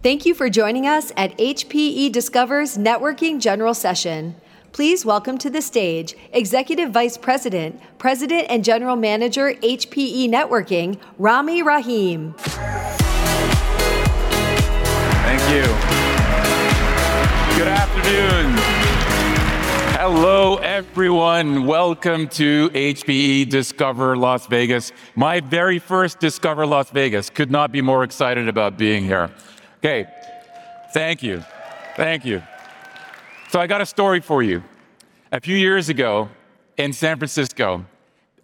Thank you for joining us at HPE Discover's Networking General Session. Please welcome to the stage Executive Vice President, and General Manager, HPE Networking, Rami Rahim. Thank you. Good afternoon. Hello, everyone. Welcome to HPE Discover Las Vegas, my very first Discover Las Vegas. Could not be more excited about being here. Okay. Thank you. Thank you. I got a story for you. A few years ago in San Francisco,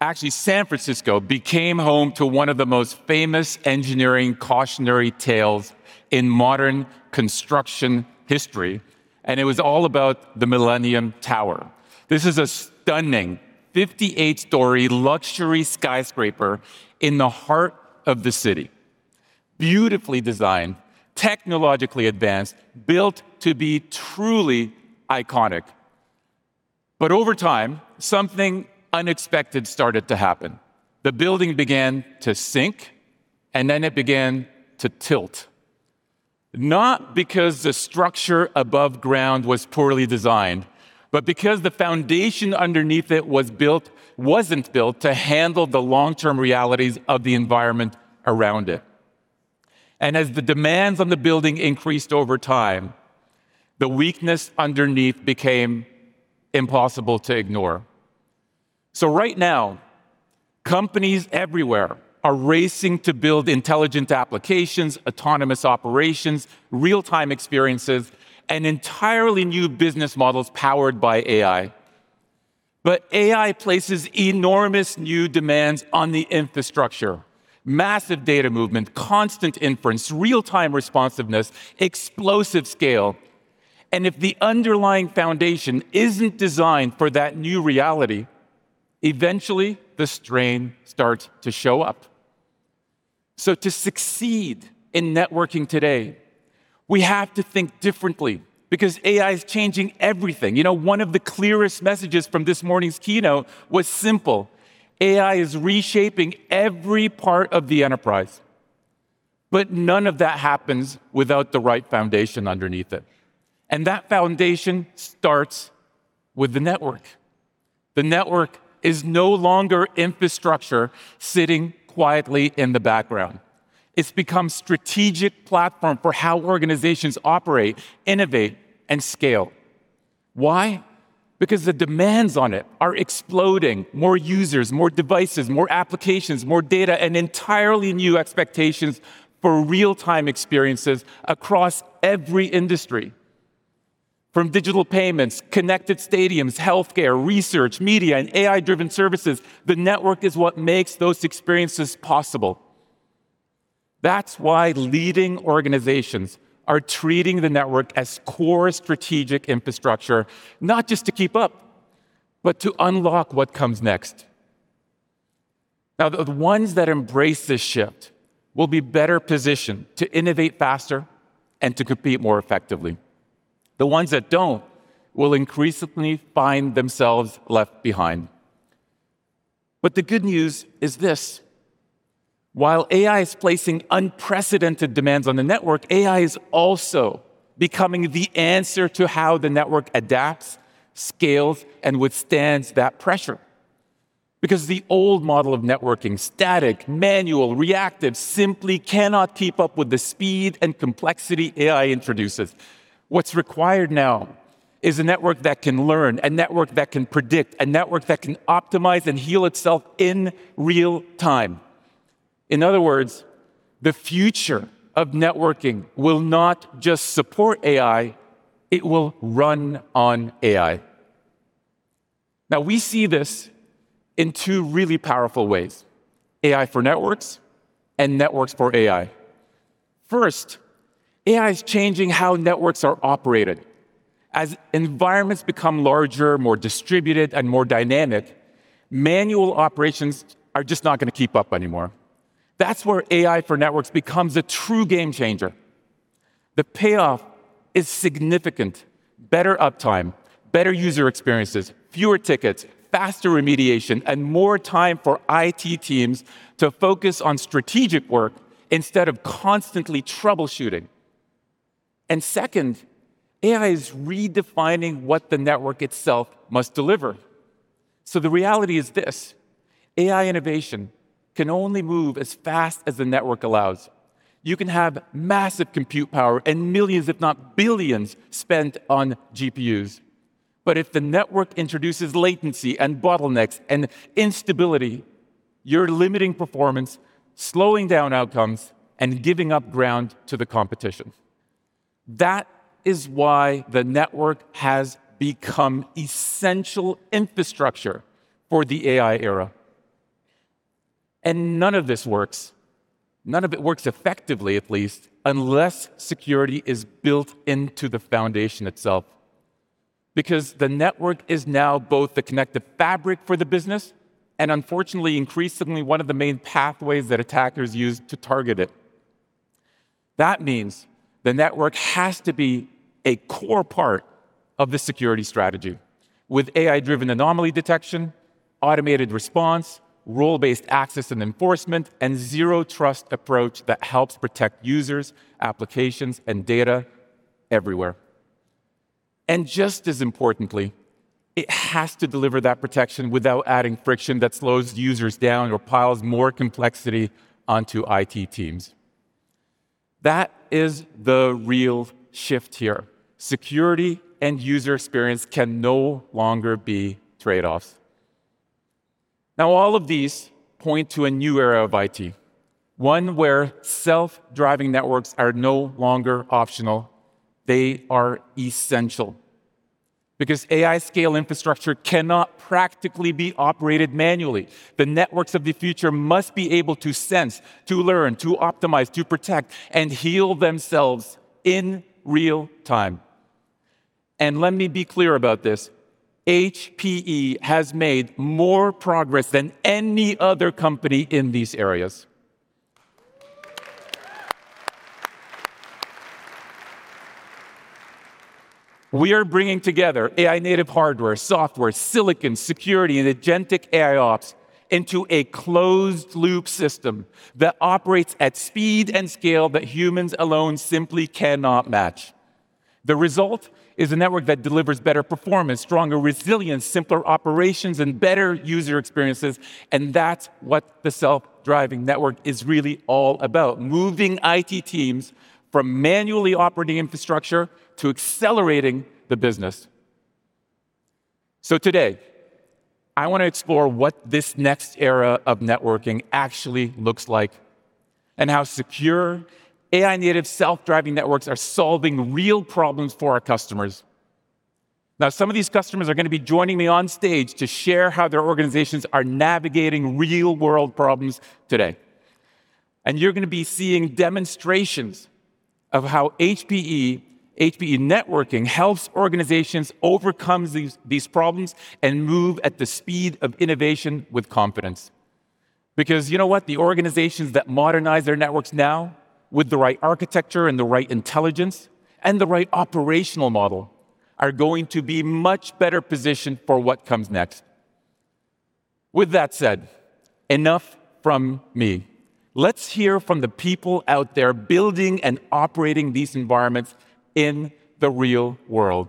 actually, San Francisco became home to one of the most famous engineering cautionary tales in modern construction history, and it was all about the Millennium Tower. This is a stunning 58-story luxury skyscraper in the heart of the city. Beautifully designed, technologically advanced, built to be truly iconic. Over time, something unexpected started to happen. The building began to sink, then it began to tilt. Not because the structure above ground was poorly designed, but because the foundation underneath it wasn't built to handle the long-term realities of the environment around it. As the demands on the building increased over time, the weakness underneath became impossible to ignore. Right now, companies everywhere are racing to build intelligent applications, autonomous operations, real-time experiences, and entirely new business models powered by AI. AI places enormous new demands on the infrastructure. Massive data movement, constant inference, real-time responsiveness, explosive scale. If the underlying foundation isn't designed for that new reality, eventually the strain starts to show up. To succeed in networking today, we have to think differently because AI is changing everything. One of the clearest messages from this morning's keynote was simple: AI is reshaping every part of the enterprise, none of that happens without the right foundation underneath it, that foundation starts with the network. The network is no longer infrastructure sitting quietly in the background. It's become strategic platform for how organizations operate, innovate, and scale. Why? Because the demands on it are exploding. More users, more devices, more applications, more data, and entirely new expectations for real-time experiences across every industry. From digital payments, connected stadiums, healthcare, research, media, and AI-driven services, the network is what makes those experiences possible. That's why leading organizations are treating the network as core strategic infrastructure, not just to keep up, but to unlock what comes next. Now, the ones that embrace this shift will be better positioned to innovate faster and to compete more effectively. The ones that don't will increasingly find themselves left behind. The good news is this, while AI is placing unprecedented demands on the network, AI is also becoming the answer to how the network adapts, scales, and withstands that pressure. The old model of networking, static, manual, reactive, simply cannot keep up with the speed and complexity AI introduces. What's required now is a network that can learn, a network that can predict, a network that can optimize and heal itself in real time. In other words, the future of networking will not just support AI, it will run on AI. We see this in two really powerful ways, AI for networks and networks for AI. AI is changing how networks are operated. As environments become larger, more distributed, and more dynamic, manual operations are just not going to keep up anymore. That's where AI for networks becomes a true game changer. The payoff is significant. Better uptime, better user experiences, fewer tickets, faster remediation, and more time for IT teams to focus on strategic work instead of constantly troubleshooting. Second, AI is redefining what the network itself must deliver. The reality is this, AI innovation can only move as fast as the network allows. You can have massive compute power and millions, if not billions, spent on GPUs. If the network introduces latency and bottlenecks and instability, you're limiting performance, slowing down outcomes, and giving up ground to the competition. That is why the network has become essential infrastructure for the AI era. None of this works, none of it works effectively, at least, unless security is built into the foundation itself. The network is now both the connective fabric for the business and unfortunately, increasingly, one of the main pathways that attackers use to target it. That means the network has to be a core part of the security strategy. With AI-driven anomaly detection, automated response, role-based access and enforcement, and zero trust approach that helps protect users, applications, and data everywhere. Just as importantly, it has to deliver that protection without adding friction that slows users down or piles more complexity onto IT teams. That is the real shift here. Security and user experience can no longer be trade-offs. All of these point to a new era of IT, one where self-driving networks are no longer optional. They are essential because AI-scale infrastructure cannot practically be operated manually. The networks of the future must be able to sense, to learn, to optimize, to protect and heal themselves in real time. Let me be clear about this, HPE has made more progress than any other company in these areas. We are bringing together AI-native hardware, software, silicon, security, and agentic AIOps into a closed-loop system that operates at speed and scale that humans alone simply cannot match. The result is a network that delivers better performance, stronger resilience, simpler operations, and better user experiences. That's what the self-driving network is really all about, moving IT teams from manually operating infrastructure to accelerating the business. Today, I want to explore what this next era of networking actually looks like and how secure AI-native self-driving networks are solving real problems for our customers. Some of these customers are going to be joining me on stage to share how their organizations are navigating real-world problems today. You're going to be seeing demonstrations of how HPE Networking helps organizations overcome these problems and move at the speed of innovation with confidence. You know what? The organizations that modernize their networks now, with the right architecture and the right intelligence and the right operational model, are going to be much better positioned for what comes next. With that said, enough from me. Let's hear from the people out there building and operating these environments in the real world.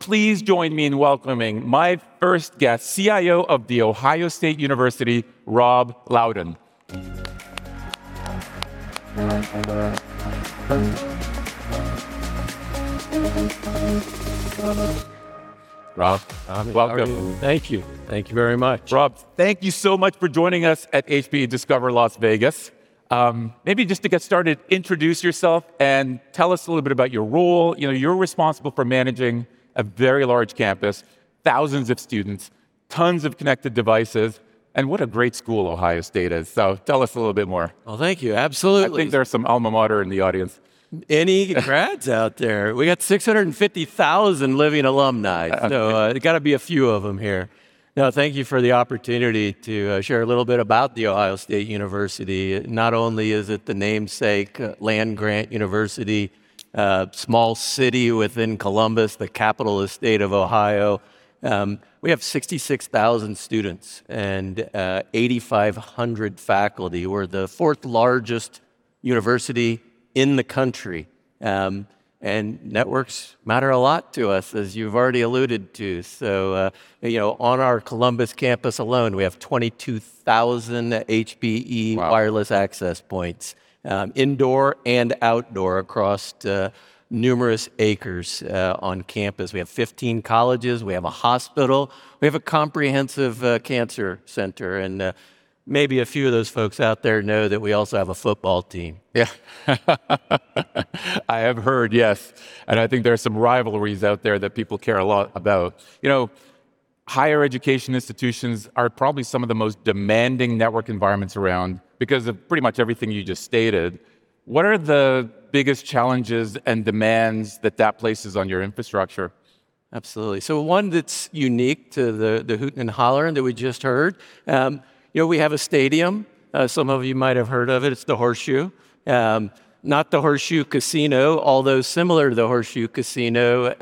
Please join me in welcoming my first guest, CIO of The Ohio State University, Rob Lowden. Rob, welcome. Thank you. Thank you very much. Rob, thank you so much for joining us at HPE Discover Las Vegas. Maybe just to get started, introduce yourself and tell us a little bit about your role. You're responsible for managing a very large campus, thousands of students, tons of connected devices, and what a great school Ohio State is. Tell us a little bit more. Well, thank you, absolutely. I think there are some alma mater in the audience. Any grads out there? We got 650,000 living alumni. There got to be a few of them here. No, thank you for the opportunity to share a little bit about The Ohio State University. Not only is it the namesake land grant university, a small city within Columbus, the capital of the state of Ohio. We have 66,000 students and 8,500 faculty. We're the fourth largest university in the country. Networks matter a lot to us, as you've already alluded to. On our Columbus campus alone, we have 22,000 HPE- Wow wireless access points, indoor and outdoor across numerous acres on campus. We have 15 colleges. We have a hospital. We have a comprehensive cancer center. Maybe a few of those folks out there know that we also have a football team. Yeah. I have heard, yes. I think there are some rivalries out there that people care a lot about. Higher education institutions are probably some of the most demanding network environments around because of pretty much everything you just stated. What are the biggest challenges and demands that that places on your infrastructure? Absolutely. One that's unique to the Hoot and Holler and that we just heard. We have a stadium, some of you might have heard of it. It is the Horseshoe. Not the Horseshoe Casino, although similar to the Horseshoe Casino.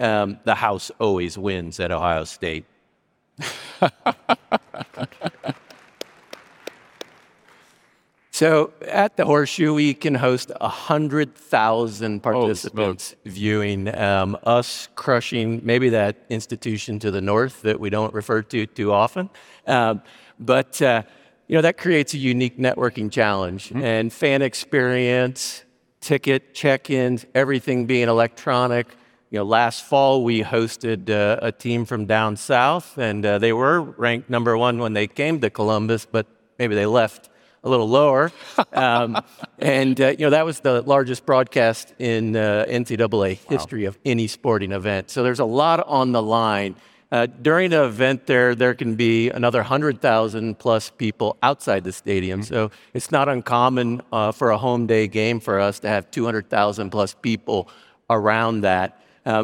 The house always wins at Ohio State. At the Horseshoe, we can host 100,000 participants- Oh, smokes viewing us crushing maybe that institution to the north that we don't refer to too often. That creates a unique networking challenge. Fan experience, ticket check-ins, everything being electronic. Last fall, we hosted a team from down South, they were ranked number 1 when they came to Columbus, maybe they left a little lower. That was the largest broadcast in NCAA history- Wow of any sporting event. There's a lot on the line. During an event, there can be another 100,000-plus people outside the stadium. It's not uncommon for a home day game for us to have 200,000-plus people around that.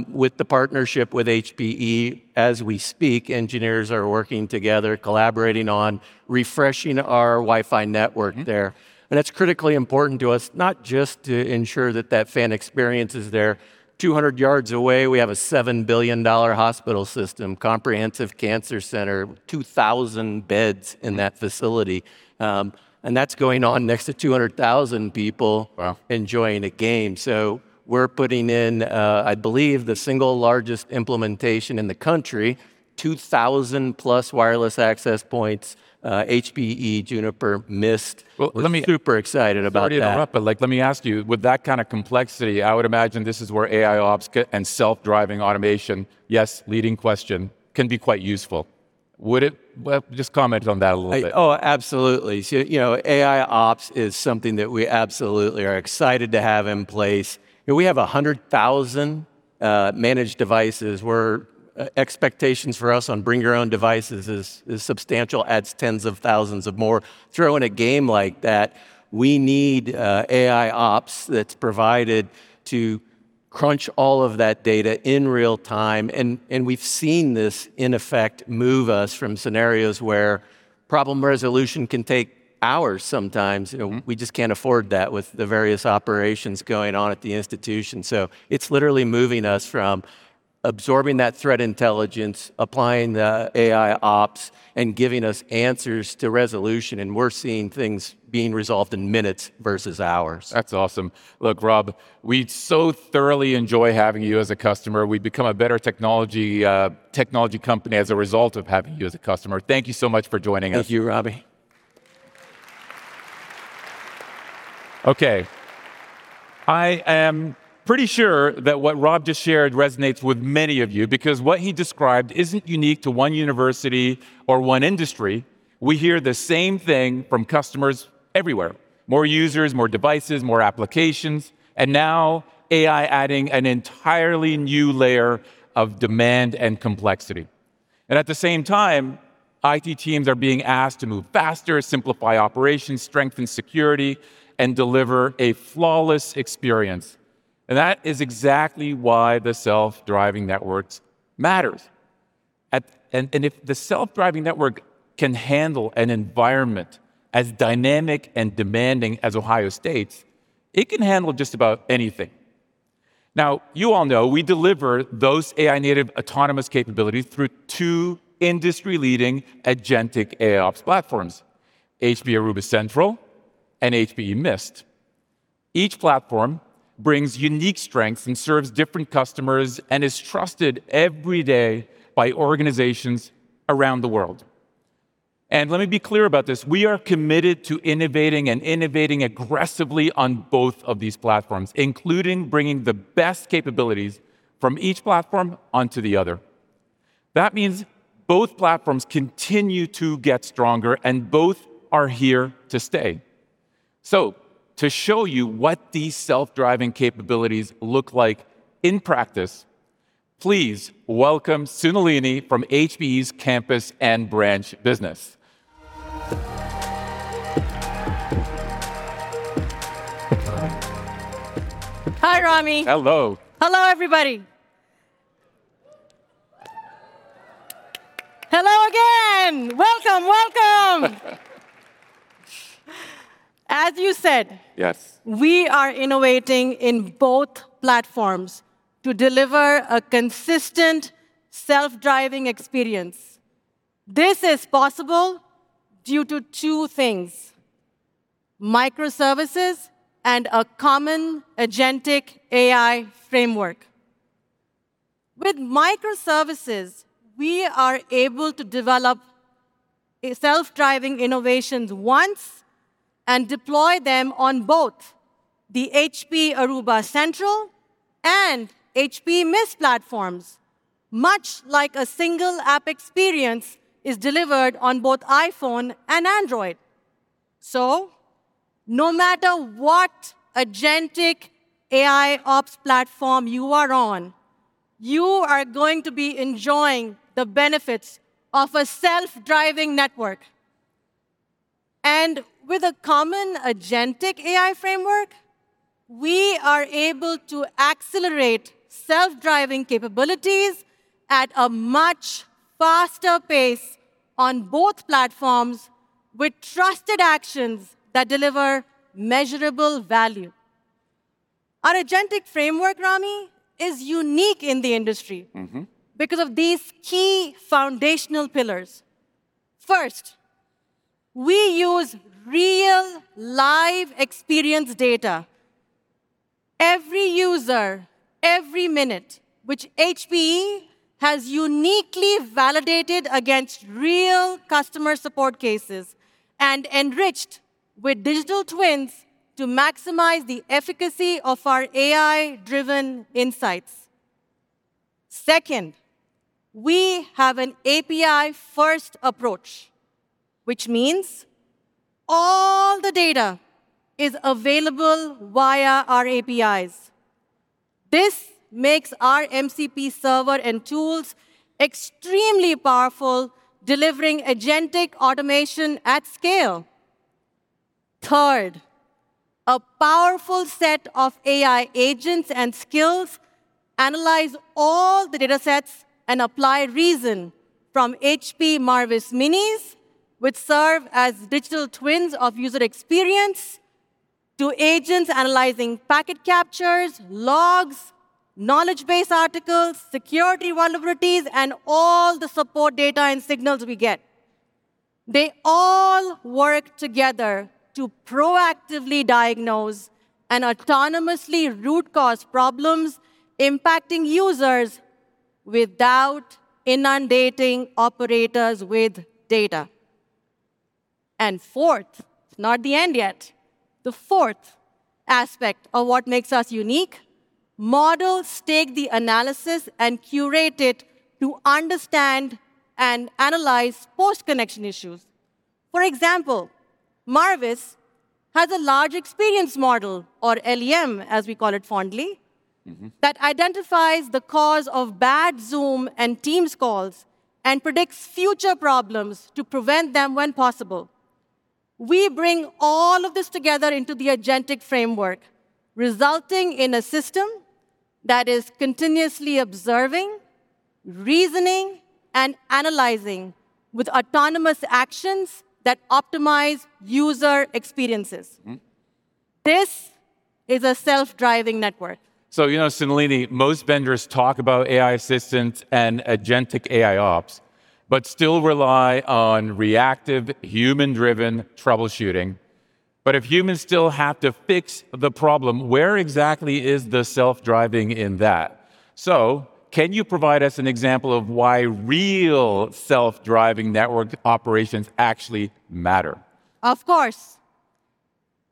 With the partnership with HPE, as we speak, engineers are working together, collaborating on refreshing our Wi-Fi network there. That's critically important to us, not just to ensure that that fan experience is there. 200 yards away, we have a $7 billion hospital system, comprehensive cancer center, 2,000 beds in that facility. That's going on next to 200,000 people. Wow enjoying a game. We're putting in, I believe, the single largest implementation in the country, 2,000-plus wireless access points, HPE, Juniper, Mist. Well. Super excited about that. Sorry to interrupt, but let me ask you, with that kind of complexity, I would imagine this is where AIOps and self-driving automation, yes, leading question, can be quite useful. Would it? Well, just comment on that a little bit. Oh, absolutely. AIOps is something that we absolutely are excited to have in place. We have 100,000 managed devices, where expectations for us on bring-your-own-devices is substantial, adds tens of thousands of more. Throw in a game like that, we need AIOps that's provided to crunch all of that data in real time. We've seen this, in effect, move us from scenarios where problem resolution can take hours sometimes. We just can't afford that with the various operations going on at the institution. It's literally moving us from absorbing that threat intelligence, applying the AIOps, and giving us answers to resolution, and we're seeing things being resolved in minutes versus hours. That's awesome. Look, Rob, we so thoroughly enjoy having you as a customer. We've become a better technology company as a result of having you as a customer. Thank you so much for joining us. Thank you, Rami. Okay. I am pretty sure that what Rob just shared resonates with many of you because what he described isn't unique to one university or one industry. We hear the same thing from customers everywhere. More users, more devices, more applications, and now AI adding an entirely new layer of demand and complexity. At the same time, IT teams are being asked to move faster, simplify operations, strengthen security, and deliver a flawless experience. That is exactly why the self-driving networks matters. If the self-driving network can handle an environment as dynamic and demanding as Ohio State's, it can handle just about anything. Now, you all know we deliver those AI-native, autonomous capabilities through two industry-leading agentic AIOps platforms, HPE Aruba Central and HPE Mist. Each platform brings unique strengths and serves different customers and is trusted every day by organizations around the world. Let me be clear about this, we are committed to innovating and innovating aggressively on both of these platforms, including bringing the best capabilities from each platform onto the other. That means both platforms continue to get stronger and both are here to stay. To show you what these self-driving capabilities look like in practice, please welcome Sunalini from HPE's Campus and Branch Business. Hi, Rami. Hello. Hello, everybody. Hello, again. Welcome. As you said- Yes we are innovating in both platforms to deliver a consistent self-driving experience. This is possible due to two things, microservices and a common agentic AI framework. With microservices, we are able to develop self-driving innovations once and deploy them on both the HPE Aruba Central and HPE Mist platforms, much like a single app experience is delivered on both iPhone and Android. No matter what agentic AIOps platform you are on, you are going to be enjoying the benefits of a self-driving network. With a common agentic AI framework, we are able to accelerate self-driving capabilities at a much faster pace on both platforms with trusted actions that deliver measurable value. Our agentic framework, Rami, is unique in the industry- because of these key foundational pillars. First, we use real live experience data. Every user, every minute, which HPE has uniquely validated against real customer support cases and enriched with Digital Experience Twins to maximize the efficacy of our AI-driven insights. Second, we have an API-first approach, which means all the data is available via our APIs. This makes our MCP server and tools extremely powerful, delivering agentic automation at scale. Third, a powerful set of AI agents and skills analyze all the datasets and apply reason from HPE Marvis Minis, which serve as Digital Experience Twins of user experience, to agents analyzing packet captures, logs, knowledge-based articles, security vulnerabilities, and all the support data and signals we get. They all work together to proactively diagnose and autonomously root-cause problems impacting users without inundating operators with data. Fourth, it's not the end yet. The fourth aspect of what makes us unique, models take the analysis and curate it to understand and analyze post-connection issues. For example, Marvis has a large experience model, or LEM, as we call it fondly. that identifies the cause of bad Zoom and Microsoft Teams calls and predicts future problems to prevent them when possible. We bring all of this together into the agentic framework, resulting in a system that is continuously observing, reasoning, and analyzing with autonomous actions that optimize user experiences. This is a self-driving network. You know, Sunalini, most vendors talk about AI assistant and agentic AIOps, but still rely on reactive, human-driven troubleshooting. If humans still have to fix the problem, where exactly is the self-driving in that? Can you provide us an example of why real self-driving network operations actually matter? Of course.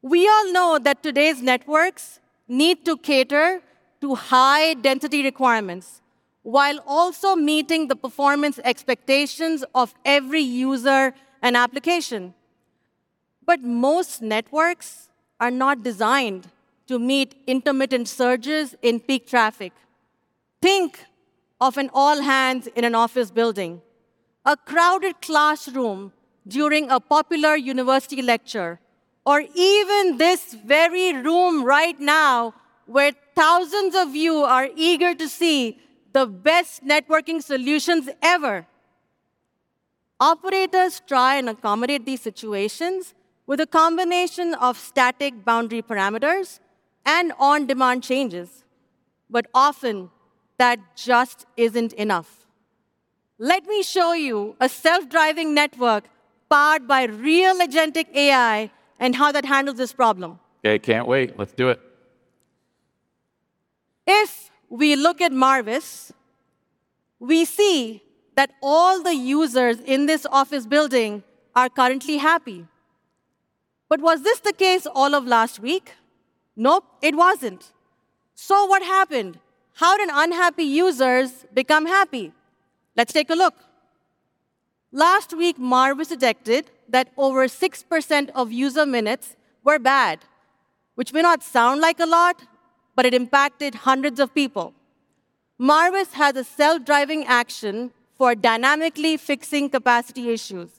We all know that today's networks need to cater to high density requirements while also meeting the performance expectations of every user and application. Most networks are not designed to meet intermittent surges in peak traffic. Think of an all-hands in an office building, a crowded classroom during a popular university lecture, or even this very room right now where thousands of you are eager to see the best networking solutions ever. Operators try and accommodate these situations with a combination of static boundary parameters and on-demand changes, but often that just isn't enough. Let me show you a self-driving network powered by real agentic AI and how that handles this problem. Can't wait. Let's do it. If we look at Marvis, we see that all the users in this office building are currently happy. Was this the case all of last week? Nope, it wasn't. What happened? How did unhappy users become happy? Let's take a look. Last week, Marvis detected that over 6% of user minutes were bad, which may not sound like a lot, but it impacted hundreds of people. Marvis has a self-driving action for dynamically fixing capacity issues.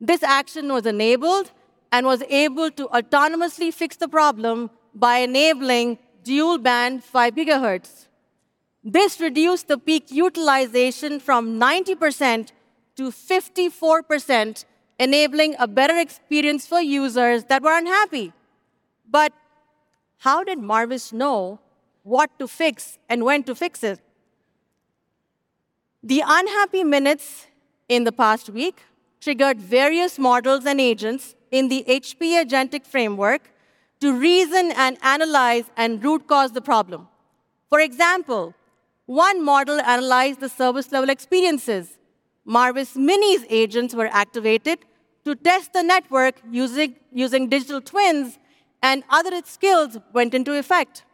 This action was enabled and was able to autonomously fix the problem by enabling dual-band 5 gigahertz. This reduced the peak utilization from 90% to 54%, enabling a better experience for users that were unhappy. How did Marvis know what to fix and when to fix it? The unhappy minutes in the past week triggered various models and agents in the HPE Agentic Framework to reason and analyze and root cause the problem. For example, one model analyzed the service level experiences. Marvis Minis agents were activated to test the network using digital twins, and other skills went into effect.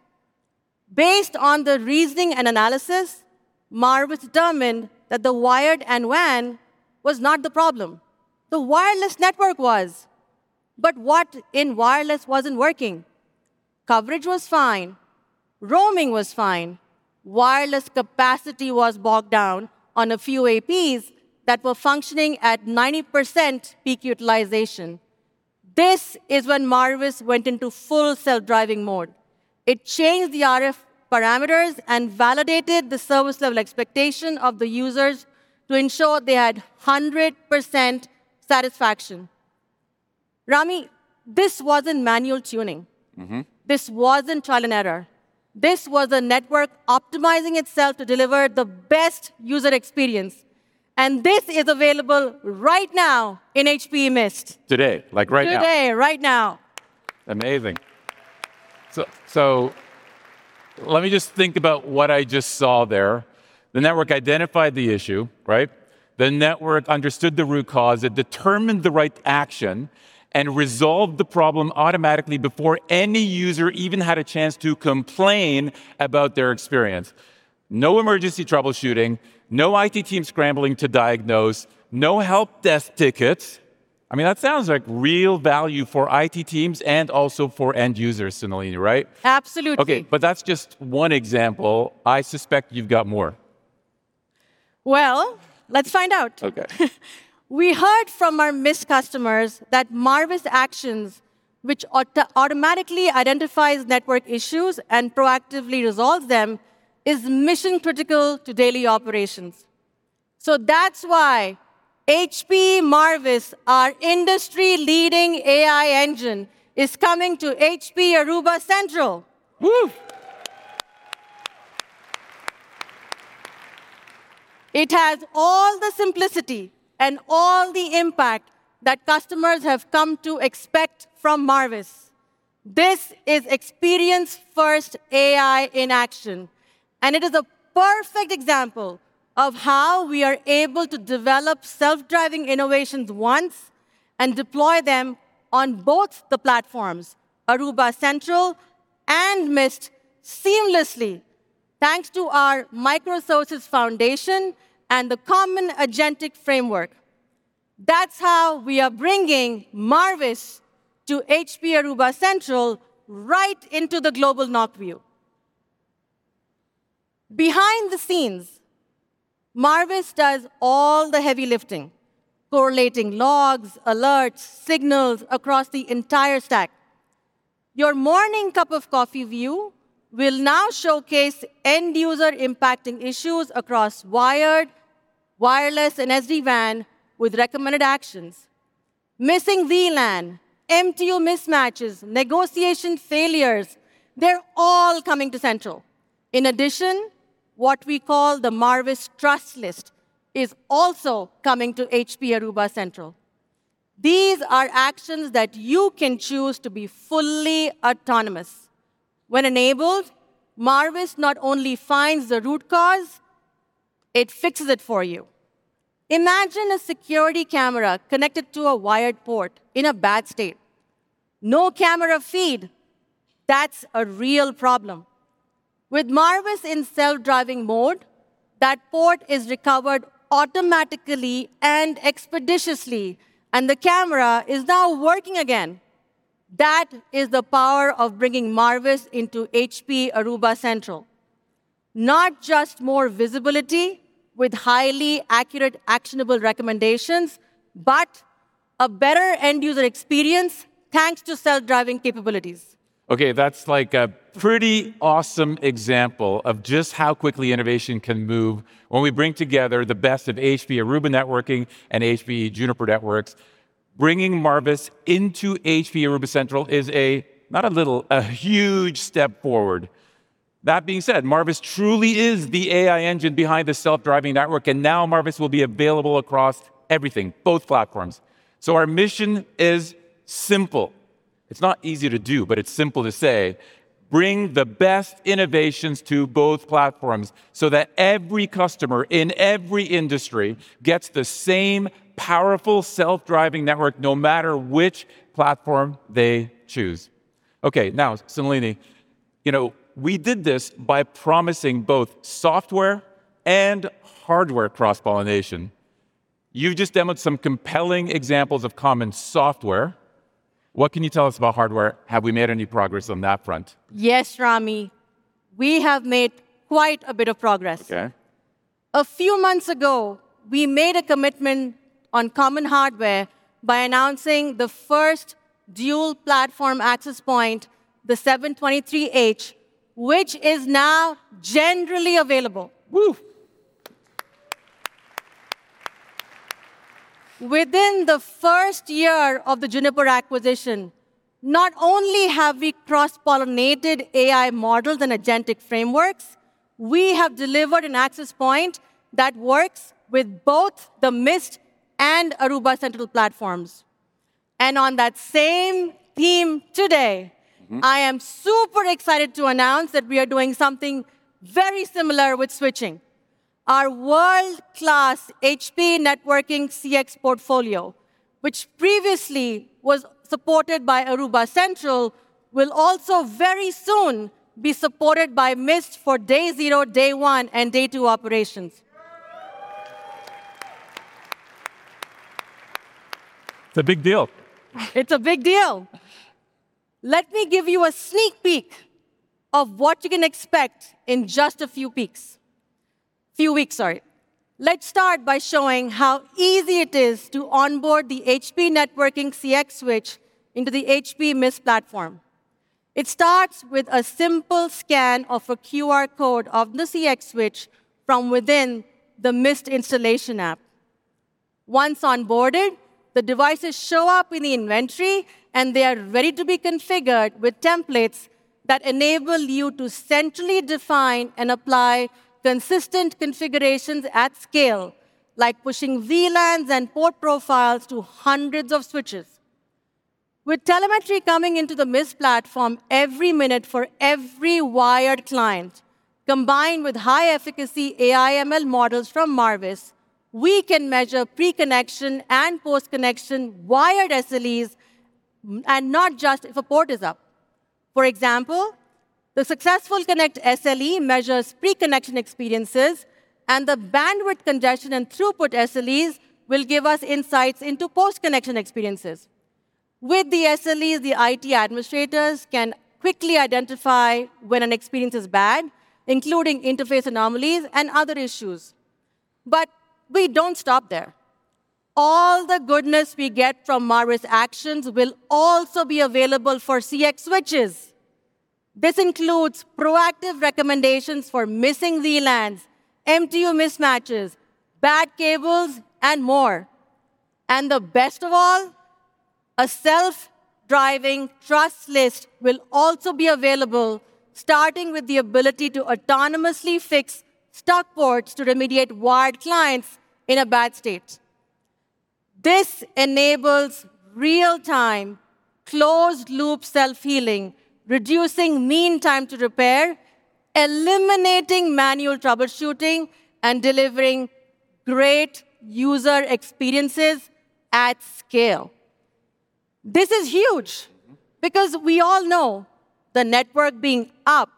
Based on the reasoning and analysis, Marvis determined that the wired and WAN was not the problem. The wireless network was. What in wireless wasn't working? Coverage was fine. Roaming was fine. Wireless capacity was bogged down on a few APs that were functioning at 90% peak utilization. This is when Marvis went into full self-driving mode. It changed the RF parameters and validated the service level expectation of the users to ensure they had 100% satisfaction. Rami, this wasn't manual tuning. This wasn't trial and error. This was a network optimizing itself to deliver the best user experience. This is available right now in HPE Mist. Today, like right now. Today, right now. Amazing. Let me just think about what I just saw there. The network identified the issue, right? The network understood the root cause. It determined the right action and resolved the problem automatically before any user even had a chance to complain about their experience. No emergency troubleshooting, no IT teams scrambling to diagnose, no help desk tickets. I mean, that sounds like real value for IT teams and also for end users, Sunalini, right? Absolutely. Okay, that's just one example. I suspect you've got more. Well, let's find out. Okay. We heard from our Mist customers that Marvis Actions, which automatically identifies network issues and proactively resolves them, is mission critical to daily operations. That's why HPE Marvis, our industry-leading AI engine, is coming to HPE Aruba Central. Woo. It has all the simplicity and all the impact that customers have come to expect from Marvis. This is experience-first AI in action, and it is a perfect example of how we are able to develop self-driving innovations once and deploy them on both the platforms, Aruba Central and Mist seamlessly thanks to our microservices foundation and the common agentic framework. That's how we are bringing Marvis to HPE Aruba Central right into the global NOC view. Behind the scenes, Marvis does all the heavy lifting, correlating logs, alerts, signals across the entire stack. Your morning cup of coffee view will now showcase end-user impacting issues across wired, wireless, and SD-WAN with recommended actions. Missing VLAN, MTU mismatches, negotiation failures, they're all coming to Central. In addition, what we call the Marvis trust list is also coming to HPE Aruba Central. These are actions that you can choose to be fully autonomous. When enabled, Marvis not only finds the root cause, it fixes it for you. Imagine a security camera connected to a wired port in a bad state. No camera feed. That's a real problem. With Marvis in self-driving mode, that port is recovered automatically and expeditiously, and the camera is now working again. That is the power of bringing Marvis into HPE Aruba Central. Not just more visibility with highly accurate, actionable recommendations, but a better end-user experience thanks to self-driving capabilities. That's a pretty awesome example of just how quickly innovation can move when we bring together the best of HPE Aruba Networking and HPE Juniper Networks. Bringing Marvis into HPE Aruba Central is a, not a little, a huge step forward. That being said, Marvis truly is the AI engine behind the self-driving network, and now Marvis will be available across everything, both platforms. Our mission is simple. It's not easy to do, but it's simple to say, bring the best innovations to both platforms so that every customer in every industry gets the same powerful self-driving network, no matter which platform they choose. Now, Sunalini, we did this by promising both software and hardware cross-pollination. You just demoed some compelling examples of common software. What can you tell us about hardware? Have we made any progress on that front? Yes, Rami. We have made quite a bit of progress. Okay. A few months ago, we made a commitment on common hardware by announcing the first dual-platform access point, the AP-723H, which is now generally available. Woo! Within the first year of the Juniper acquisition, not only have we cross-pollinated AI models and agentic frameworks, we have delivered an access point that works with both the Mist and Aruba Central platforms. I am super excited to announce that we are doing something very similar with switching. Our world-class HPE Aruba Networking CX portfolio, which previously was supported by Aruba Central, will also very soon be supported by Mist for day zero, day one, and day two operations. It's a big deal. It's a big deal. Let me give you a sneak peek of what you can expect in just a few weeks. Let's start by showing how easy it is to onboard the HPE Aruba Networking CX switch into the Mist platform. It starts with a simple scan of a QR code of the HPE Aruba Networking CX switch from within the Mist installation app. Once onboarded, the devices show up in the inventory, and they are ready to be configured with templates that enable you to centrally define and apply consistent configurations at scale, like pushing VLANs and port profiles to hundreds of switches. With telemetry coming into the Mist platform every minute for every wired client, combined with high-efficacy AI ML models from Marvis, we can measure pre-connection and post-connection wired SLEs and not just if a port is up. For example, the successful connect SLE measures pre-connection experiences, and the bandwidth congestion and throughput SLEs will give us insights into post-connection experiences. With the SLEs, the IT administrators can quickly identify when an experience is bad, including interface anomalies and other issues. We don't stop there. All the goodness we get from Marvis Actions will also be available for HPE Aruba Networking CX switches. This includes proactive recommendations for missing VLANs, MTU mismatches, bad cables, and more. The best of all, a self-driving trust list will also be available, starting with the ability to autonomously fix stuck ports to remediate wired clients in a bad state. This enables real-time closed loop self-healing, reducing mean time to repair, eliminating manual troubleshooting, and delivering great user experiences at scale. This is huge because we all know the network being up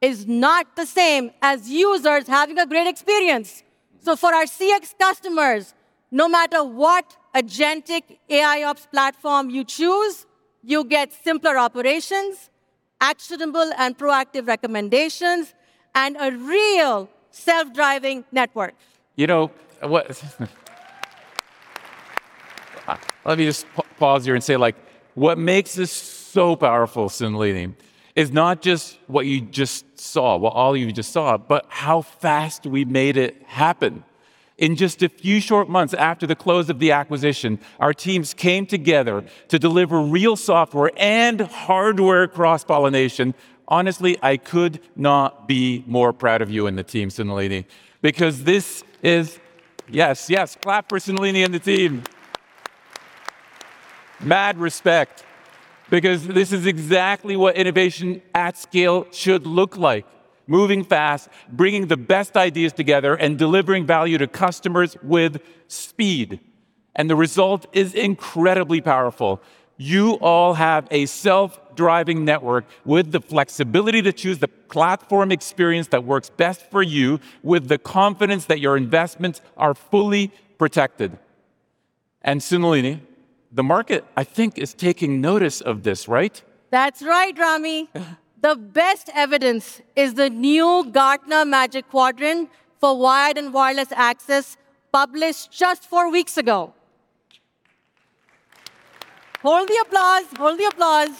is not the same as users having a great experience. For our HPE Aruba Networking CX customers, no matter what agentic AIOps platform you choose, you'll get simpler operations, actionable and proactive recommendations, and a real self-driving network. Let me just pause here and say, what makes this so powerful, Sunalini, is not just what you just saw, what all you just saw, but how fast we made it happen. In just a few short months after the close of the acquisition, our teams came together to deliver real software and hardware cross-pollination. Honestly, I could not be more proud of you and the team, Sunalini, because this is Yes, yes. Clap for Sunalini and the team. Mad respect, because this is exactly what innovation at scale should look like, moving fast, bringing the best ideas together, and delivering value to customers with speed. The result is incredibly powerful. You all have a self-driving network with the flexibility to choose the platform experience that works best for you with the confidence that your investments are fully protected. Sunalini, the market, I think, is taking notice of this, right? That's right, Rami. The best evidence is the new Gartner Magic Quadrant for wired and wireless access, published just four weeks ago. Hold the applause, hold the applause.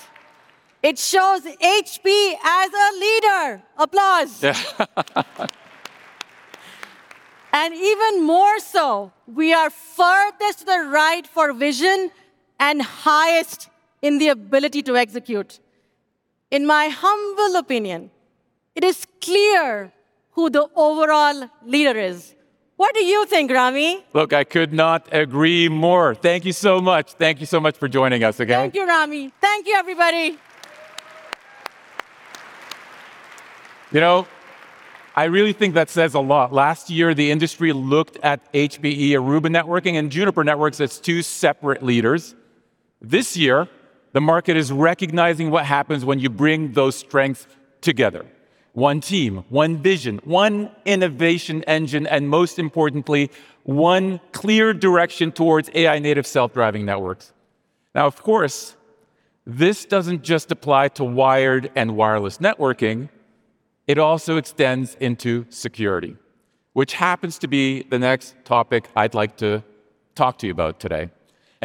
It shows HPE as a leader. Applause. Yeah. Even more so, we are furthest to the right for vision and highest in the ability to execute. In my humble opinion, it is clear who the overall leader is. What do you think, Rami? Look, I could not agree more. Thank you so much. Thank you so much for joining us again. Thank you, Rami. Thank you, everybody. I really think that says a lot. Last year, the industry looked at HPE Aruba Networking and Juniper Networks as two separate leaders. This year, the market is recognizing what happens when you bring those strengths together. One team, one vision, one innovation engine, and most importantly, one clear direction towards AI-native self-driving networks. Now, of course, this doesn't just apply to wired and wireless networking. It also extends into security, which happens to be the next topic I'd like to talk to you about today.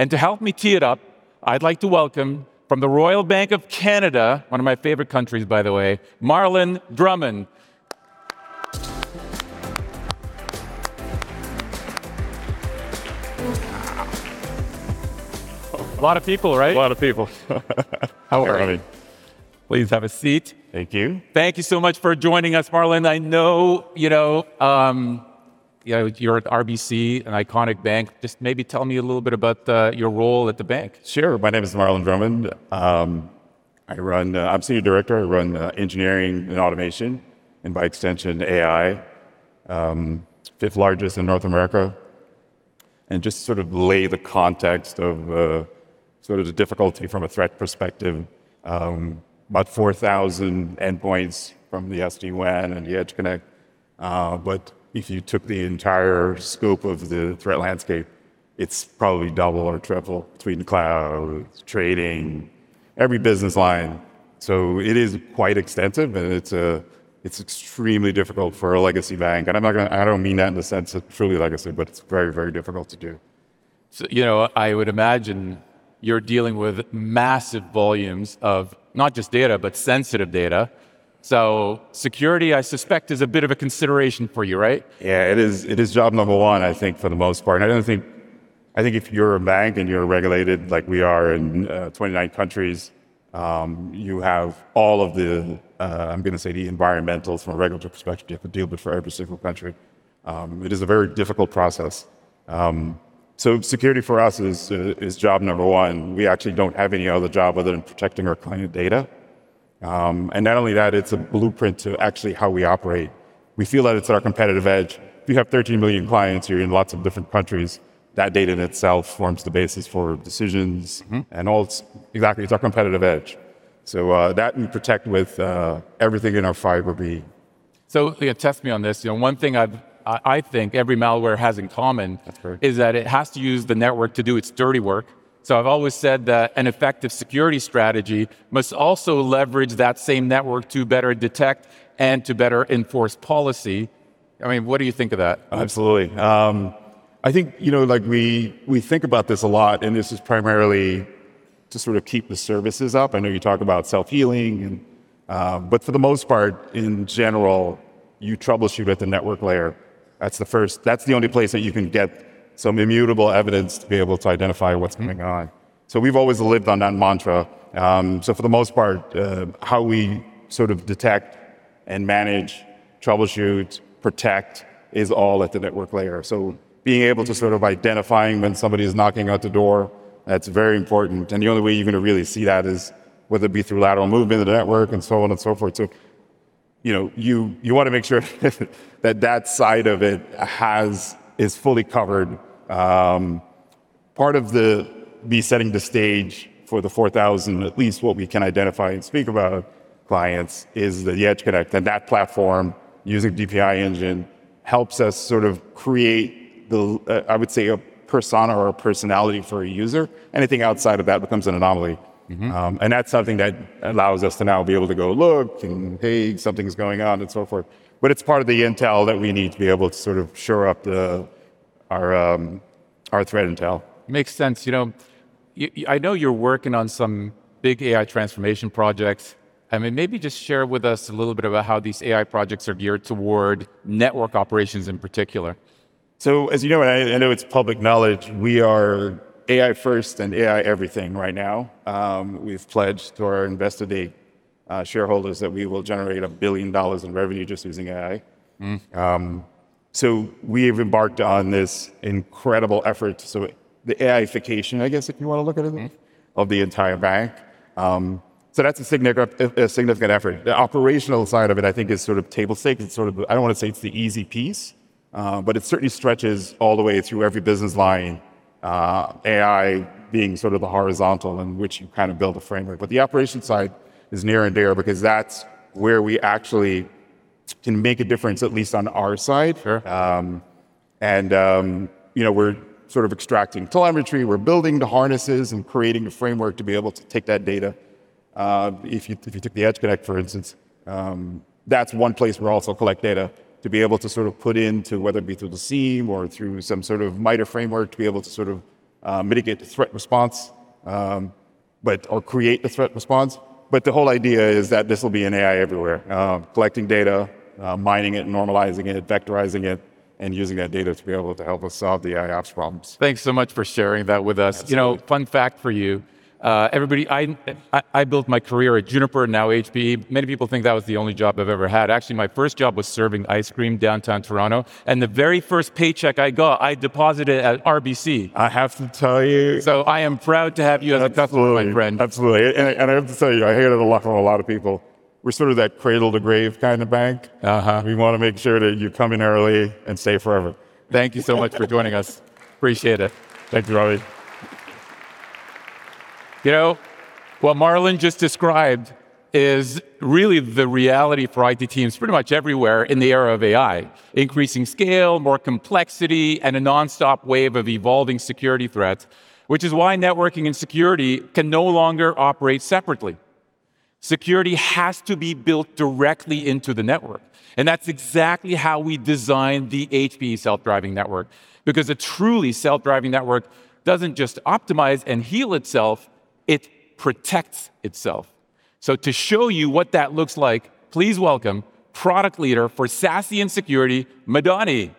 To help me tee it up, I'd like to welcome from the Royal Bank of Canada, one of my favorite countries, by the way, Marlon Drummond. A lot of people, right? A lot of people. How are you? I'm good. Please have a seat. Thank you. Thank you so much for joining us, Marlon. I know you're at RBC, an iconic bank. Just maybe tell me a little bit about your role at the bank. Sure. My name is Marlon Drummond. I'm senior director. I run engineering and automation, and by extension, AI. It's fifth largest in North America. Just to sort of lay the context of the difficulty from a threat perspective, about 4,000 endpoints from the SD-WAN and the EdgeConnect. If you took the entire scope of the threat landscape, it's probably double or triple between the cloud, trading, every business line. It is quite extensive, and it's extremely difficult for a legacy bank. I don't mean that in the sense of truly legacy, but it's very, very difficult to do. I would imagine you're dealing with massive volumes of not just data, but sensitive data. Security, I suspect is a bit of a consideration for you, right? It is job number one, I think, for the most part. I think if you're a bank and you're regulated, like we are in 29 countries, you have all of the, I'm going to say the environmental from a regulatory perspective, you have to deal with for every single country. It is a very difficult process. Security for us is job number one. We actually don't have any other job other than protecting our client data. Not only that, it's a blueprint to actually how we operate. We feel that it's our competitive edge. If you have 13 million clients, you're in lots of different countries. That data in itself forms the basis for decisions and all. Exactly, it's our competitive edge. That we protect with everything in our fiber being. Test me on this. One thing I think every malware has in common. That's fair is that it has to use the network to do its dirty work. I've always said that an effective security strategy must also leverage that same network to better detect and to better enforce policy. What do you think of that? Absolutely. I think we think about this a lot, and this is primarily to sort of keep the services up. I know you talked about self-healing. For the most part, in general, you troubleshoot at the network layer. That's the only place that you can get some immutable evidence to be able to identify what's going on. We've always lived on that mantra. For the most part, how we sort of detect And manage, troubleshoot, protect is all at the network layer. Being able to sort of identifying when somebody is knocking at the door, that's very important. The only way you're going to really see that is whether it be through lateral movement of the network and so on and so forth. You want to make sure that side of it is fully covered. Part of the me setting the stage for the 4,000, at least what we can identify and speak about clients, is the EdgeConnect and that platform using DPI engine helps us sort of create, I would say, a persona or a personality for a user. Anything outside of that becomes an anomaly. That's something that allows us to now be able to go look and, "Hey, something's going on," and so forth. It's part of the intel that we need to be able to sort of shore up our threat intel. Makes sense. I know you're working on some big AI transformation projects. Maybe just share with us a little bit about how these AI projects are geared toward network operations in particular. as you know, and I know it's public knowledge, we are AI first and AI everything right now. We've pledged to our Investee shareholders that we will generate $1 billion in revenue just using AI. We've embarked on this incredible effort. the AI-ification, I guess, if you want to look at it of the entire bank. that's a significant effort. The operational side of it, I think, is sort of table stakes. I don't want to say it's the easy piece, but it certainly stretches all the way through every business line, AI being the horizontal in which you build a framework. the operation side is near and dear because that's where we actually can make a difference, at least on our side. Sure. We're extracting telemetry. We're building the harnesses and creating a framework to be able to take that data. If you took the EdgeConnect, for instance, that's one place we also collect data to be able to put into, whether it be through the SIEM or through some sort of MITRE framework, to be able to mitigate the threat response, or create the threat response. the whole idea is that this will be an AI everywhere, collecting data, mining it, normalizing it, vectorizing it, and using that data to be able to help us solve the AIOps problems. Thanks so much for sharing that with us. Absolutely. Fun fact for you, everybody, I built my career at Juniper, now HPE. Many people think that was the only job I've ever had. Actually, my first job was serving ice cream downtown Toronto, and the very first paycheck I got, I deposited at RBC. I have to tell you- I am proud to have you as a friend. Absolutely. I have to tell you, I hear it a lot from a lot of people, we're sort of that cradle-to-grave kind of bank. We want to make sure that you come in early and stay forever. Thank you so much for joining us. Appreciate it. Thank you, Rami. What Marlon just described is really the reality for IT teams pretty much everywhere in the era of AI. Increasing scale, more complexity, and a nonstop wave of evolving security threats, which is why networking and security can no longer operate separately. Security has to be built directly into the network, and that's exactly how we designed the HPE Self-Driving Network. To show you what that looks like, please welcome Product Leader for SASE and Security, Madani.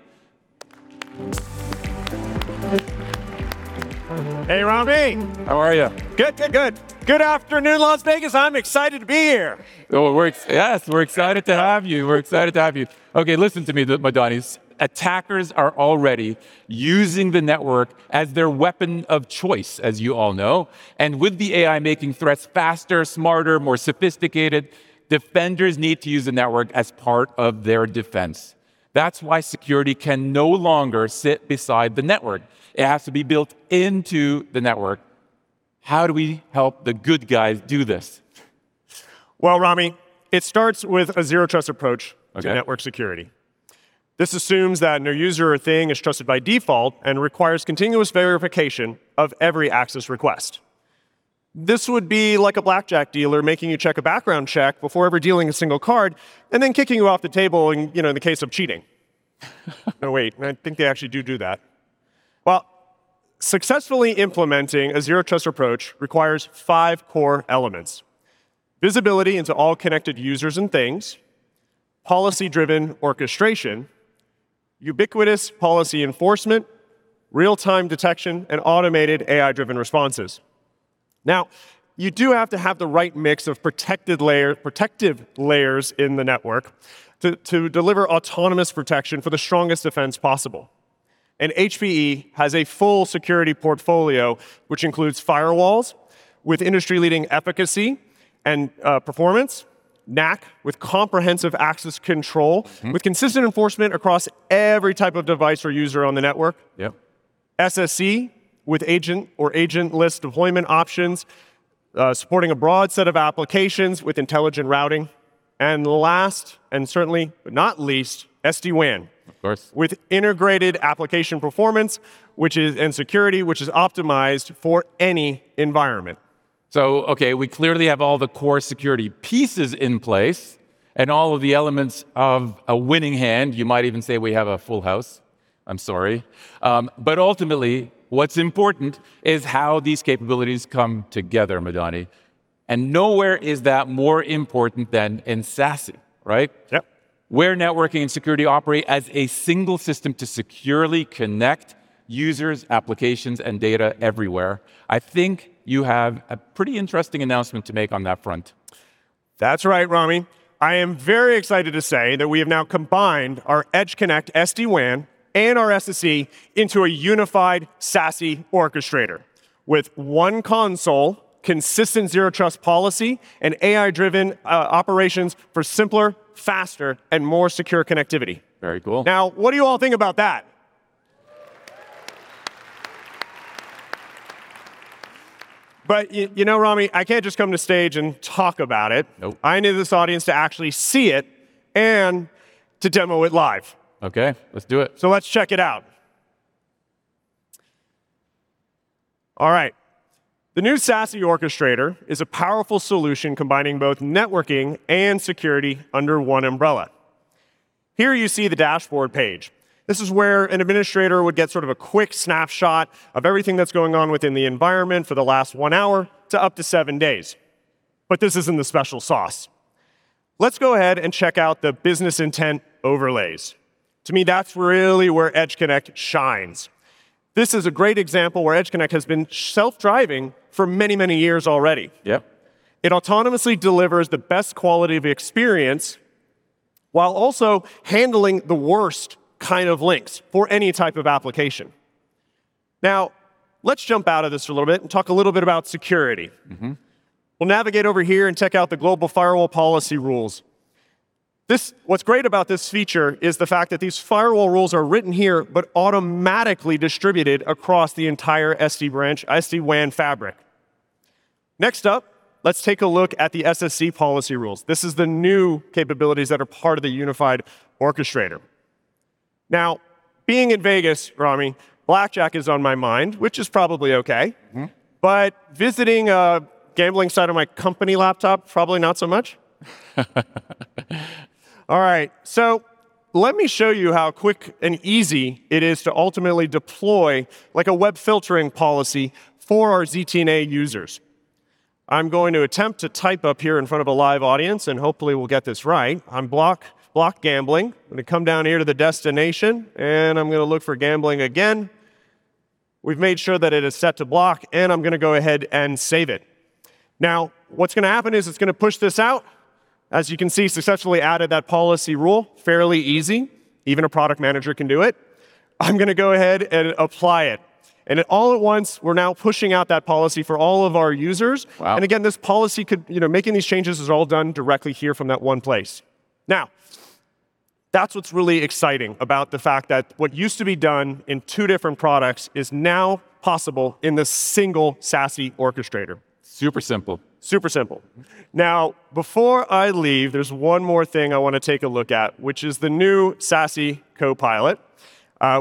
Hey, Rami. How are you? Good. Good. Good afternoon, Las Vegas. I'm excited to be here. Yes, we're excited to have you. Okay, listen to me, Madani, attackers are already using the network as their weapon of choice, as you all know. With the AI making threats faster, smarter, more sophisticated, defenders need to use the network as part of their defense. That's why security can no longer sit beside the network. It has to be built into the network. How do we help the good guys do this? Well, Rami, it starts with a zero trust approach. Okay to network security. This assumes that no user or thing is trusted by default and requires continuous verification of every access request. This would be like a blackjack dealer making you check a background check before ever dealing a single card and then kicking you off the table in the case of cheating. Oh, wait, I think they actually do that. Well, successfully implementing a zero trust approach requires five core elements: visibility into all connected users and things, policy-driven orchestration, ubiquitous policy enforcement, real-time detection, and automated AI-driven responses. Now, you do have to have the right mix of protective layers in the network to deliver autonomous protection for the strongest defense possible. HPE has a full security portfolio, which includes firewalls with industry-leading efficacy and performance, NAC with comprehensive access control. with consistent enforcement across every type of device or user on the network. Yep. Last, and certainly not least, SD-WAN. Of course with integrated application performance and security, which is optimized for any environment. Okay, we clearly have all the core security pieces in place and all of the elements of a winning hand. You might even say we have a full house. I'm sorry. Ultimately, what's important is how these capabilities come together, Madani. Nowhere is that more important than in SASE, right? Yep. Where networking and security operate as a single system to securely connect users, applications, and data everywhere. I think you have a pretty interesting announcement to make on that front. That's right, Rami. I am very excited to say that we have now combined our EdgeConnect SD-WAN and our SSE into a unified SASE Orchestrator with one console, consistent zero trust policy, and AI-driven operations for simpler, faster, and more secure connectivity. Very cool. Now, what do you all think about that? You know, Rami, I can't just come to stage and talk about it. Nope. I need this audience to actually see it and to demo it live. Let's do it. Let's check it out. All right. The new SASE Orchestrator is a powerful solution, combining both networking and security under one umbrella. Here, you see the dashboard page. This is where an administrator would get sort of a quick snapshot of everything that's going on within the environment for the last one hour to up to seven days. This isn't the special sauce. Let's go ahead and check out the business intent overlays. To me, that's really where EdgeConnect shines. This is a great example where EdgeConnect has been self-driving for many, many years already. Yep. It autonomously delivers the best quality of experience while also handling the worst kind of links for any type of application. Let's jump out of this for a little bit and talk a little bit about security. We'll navigate over here and check out the global firewall policy rules. What's great about this feature is the fact that these firewall rules are written here, but automatically distributed across the entire SD-branch, SD-WAN fabric. Next up, let's take a look at the SSE policy rules. This is the new capabilities that are part of the unified Orchestrator. Now, being in Vegas, Rami, blackjack is on my mind, which is probably okay. Visiting a gambling site on my company laptop, probably not so much. All right, let me show you how quick and easy it is to ultimately deploy a web filtering policy for our ZTNA users. I'm going to attempt to type up here in front of a live audience, and hopefully we'll get this right. I'm block gambling. I'm going to come down here to the destination, and I'm going to look for gambling again. We've made sure that it is set to block, and I'm going to go ahead and save it. Now, what's going to happen is it's going to push this out. As you can see, successfully added that policy rule. Fairly easy. Even a product manager can do it. I'm going to go ahead and apply it. All at once, we're now pushing out that policy for all of our users. Wow. Again, making these changes is all done directly here from that one place. That's what's really exciting about the fact that what used to be done in two different products is now possible in the single SASE Orchestrator. Super simple. Super simple. Before I leave, there's one more thing I want to take a look at, which is the new SASE Copilot,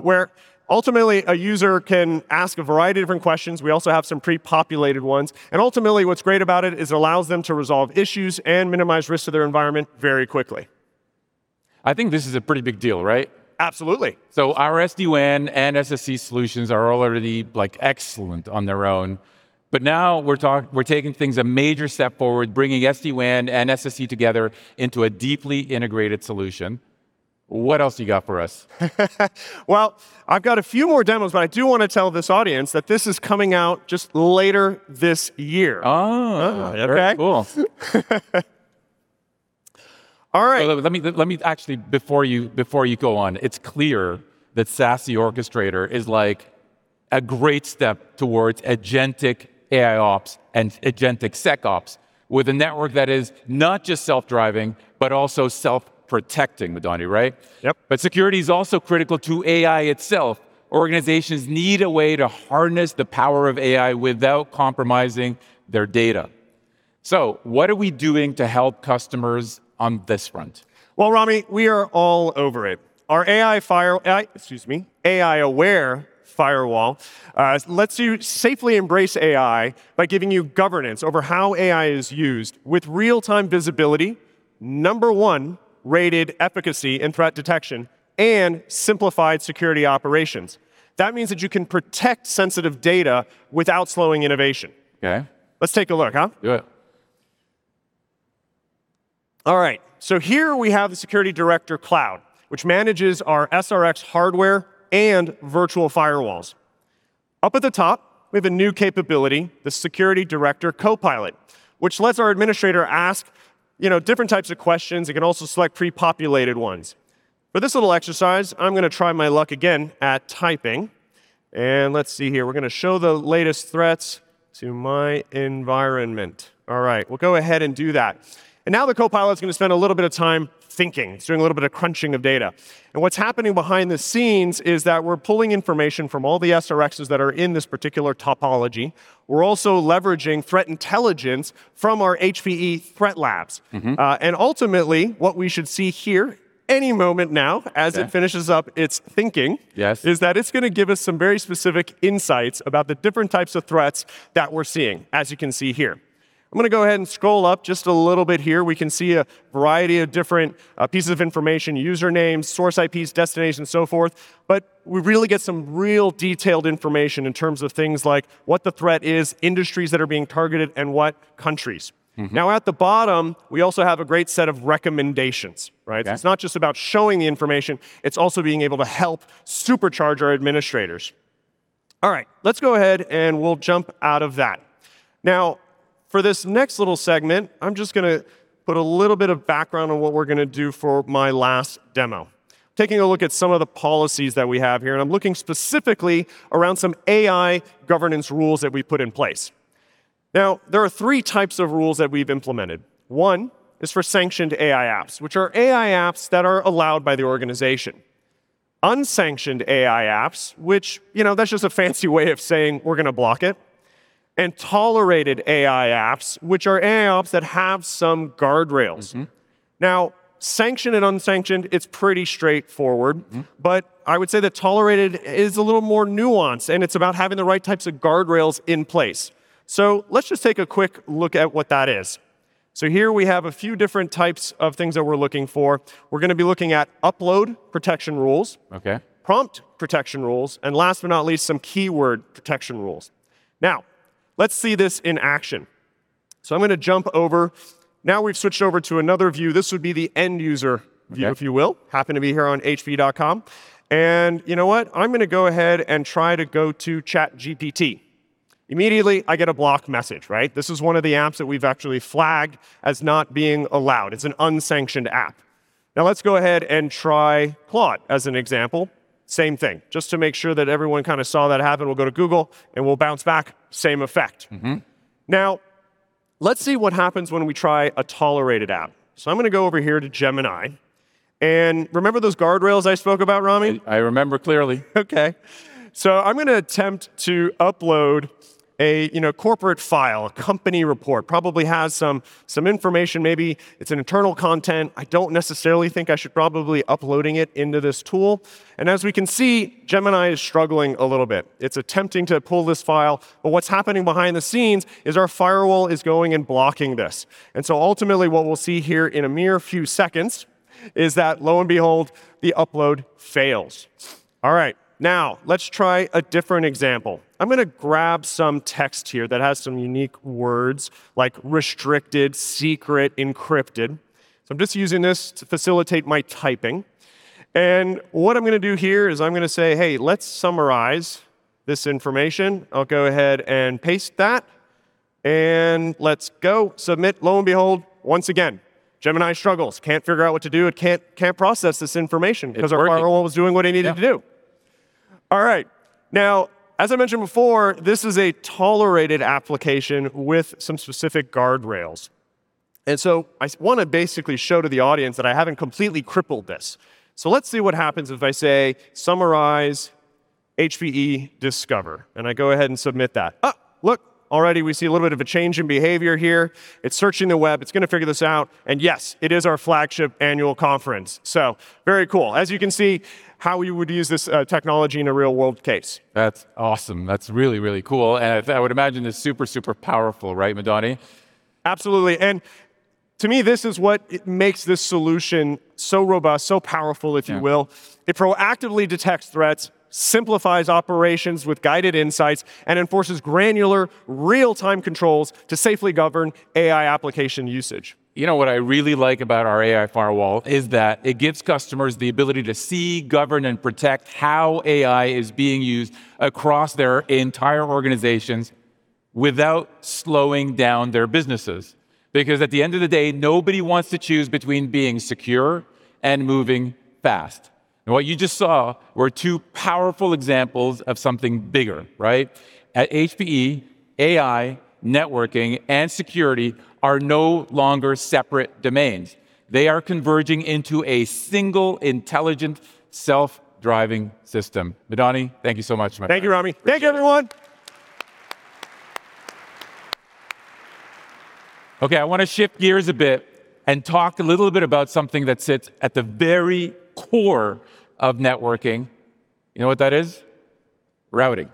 where ultimately a user can ask a variety of different questions. We also have some pre-populated ones, and ultimately what's great about it is it allows them to resolve issues and minimize risk to their environment very quickly. I think this is a pretty big deal, right? Absolutely. Our SD-WAN and SSE solutions are already excellent on their own. Now we're taking things a major step forward, bringing SD-WAN and SSE together into a deeply integrated solution. What else you got for us? Well, I've got a few more demos, but I do want to tell this audience that this is coming out just later this year. Oh. Okay? Very cool. All right. Let me actually, before you go on, it's clear that SASE Orchestrator is a great step towards agentic AIOps and agentic SecOps with a network that is not just self-driving, but also self-protecting, Madani, right? Yep. Security is also critical to AI itself. Organizations need a way to harness the power of AI without compromising their data. What are we doing to help customers on this front? Well, Rami, we are all over it. Our AI-aware firewall lets you safely embrace AI by giving you governance over how AI is used with real-time visibility, number one-rated efficacy and threat detection, and simplified security operations. That means that you can protect sensitive data without slowing innovation. Okay. Let's take a look, huh? Do it. Here we have the Security Director Cloud, which manages our SRX hardware and virtual firewalls. Up at the top, we have a new capability, the Security Director Copilot, which lets our administrator ask different types of questions and can also select pre-populated ones. For this little exercise, I'm going to try my luck again at typing. Let's see here. We're going to show the latest threats to my environment. All right, we'll go ahead and do that. Now the copilot's going to spend a little bit of time thinking. He's doing a little bit of crunching of data. What's happening behind the scenes is that we're pulling information from all the SRXs that are in this particular topology. We're also leveraging threat intelligence from our HPE Threat Labs. Ultimately, what we should see here any moment now. Yeah As it finishes up its thinking. Yes Is that it's going to give us some very specific insights about the different types of threats that we're seeing, as you can see here. I'm going to go ahead and scroll up just a little bit here. We can see a variety of different pieces of information, usernames, source IPs, destinations, so forth. We really get some real detailed information in terms of things like what the threat is, industries that are being targeted, and what countries. At the bottom, we also have a great set of recommendations, right? Yeah. It's not just about showing the information, it's also being able to help supercharge our administrators. All right. Let's go ahead, we'll jump out of that. For this next little segment, I'm just going to put a little bit of background on what we're going to do for my last demo. Taking a look at some of the policies that we have here, I'm looking specifically around some AI governance rules that we've put in place. There are 3 types of rules that we've implemented. One is for sanctioned AI apps, which are AI apps that are allowed by the organization. Unsanctioned AI apps, which that's just a fancy way of saying we're going to block it, and tolerated AI apps, which are AI apps that have some guardrails. Sanctioned, unsanctioned, it's pretty straightforward. I would say that tolerated is a little more nuanced, it's about having the right types of guardrails in place. Let's just take a quick look at what that is. Here, we have a few different types of things that we're looking for. We're going to be looking at upload protection rules. Okay. Prompt protection rules, last but not least, some keyword protection rules. Let's see this in action. I'm going to jump over. We've switched over to another view. This would be the end user view- Okay if you will. Happen to be here on hpe.com. You know what? I'm going to go ahead and try to go to ChatGPT. Immediately, I get a block message, right? This is one of the apps that we've actually flagged as not being allowed. It's an unsanctioned app. Let's go ahead and try Claude as an example. Same thing. Just to make sure that everyone saw that happen, we'll go to Google, and we'll bounce back, same effect. Let's see what happens when we try a tolerated app. I'm going to go over here to Gemini, and remember those guardrails I spoke about, Rami? I remember clearly. Okay. I'm going to attempt to upload a corporate file, a company report. Probably has some information, maybe it's an internal content. I don't necessarily think I should probably upload it into this tool. As we can see, Gemini is struggling a little bit. It's attempting to pull this file, but what's happening behind the scenes is our firewall is going and blocking this. Ultimately, what we'll see here in a mere few seconds is that, lo and behold, the upload fails. All right, now let's try a different example. I'm going to grab some text here that has some unique words like restricted, secret, encrypted. I'm just using this to facilitate my typing. What I'm going to do here is I'm going to say, "Hey, let's summarize this information." I'll go ahead and paste that, and let's go submit. Lo and behold, once again, Gemini struggles. Can't figure out what to do. It can't process this information because our- It's working Our firewall was doing what it needed to do. Yeah. All right. Now, as I mentioned before, this is a tolerated application with some specific guardrails. I want to basically show to the audience that I haven't completely crippled this. Let's see what happens if I say, "Summarize HPE Discover," and I go ahead and submit that. Oh, look. Already, we see a little bit of a change in behavior here. It's searching the web. It's going to figure this out. Yes, it is our flagship annual conference. Very cool. As you can see how you would use this technology in a real-world case. That's awesome. That's really cool. I would imagine it's super powerful, right, Madani? Absolutely. To me, this is what makes this solution so robust, so powerful, if you will. Yeah. It proactively detects threats, simplifies operations with guided insights, and enforces granular real-time controls to safely govern AI application usage. You know what I really like about our AI firewall is that it gives customers the ability to see, govern, and protect how AI is being used across their entire organizations without slowing down their businesses. At HPE, AI, networking, and security are no longer separate domains. They are converging into a single, intelligent, self-driving system. Madani, thank you so much, my friend. Thank you, Rami. Appreciate it. Thank you, everyone. Okay, I want to shift gears a bit and talk a little bit about something that sits at the very core of networking. You know what that is? Routing.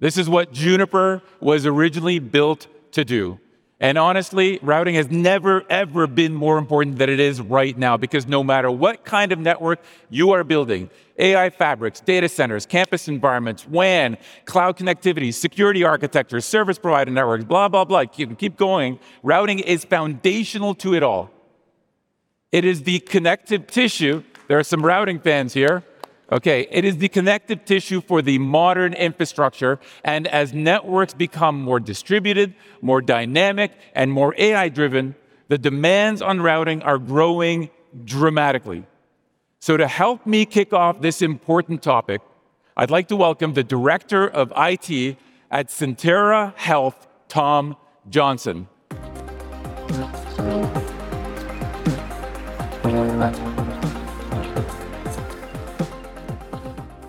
This is what Juniper was originally built to do. Honestly, routing has never, ever been more important than it is right now because no matter what kind of network you are building, AI fabrics, data centers, campus environments, WAN, cloud connectivity, security architectures, service provider networks, blah, blah, you can keep going, routing is foundational to it all. It is the connective tissue. There are some routing fans here. Okay. It is the connective tissue for the modern infrastructure, and as networks become more distributed, more dynamic, and more AI-driven, the demands on routing are growing dramatically. To help me kick off this important topic, I'd like to welcome the Director of IT at Sentara Health, Tom Johnson.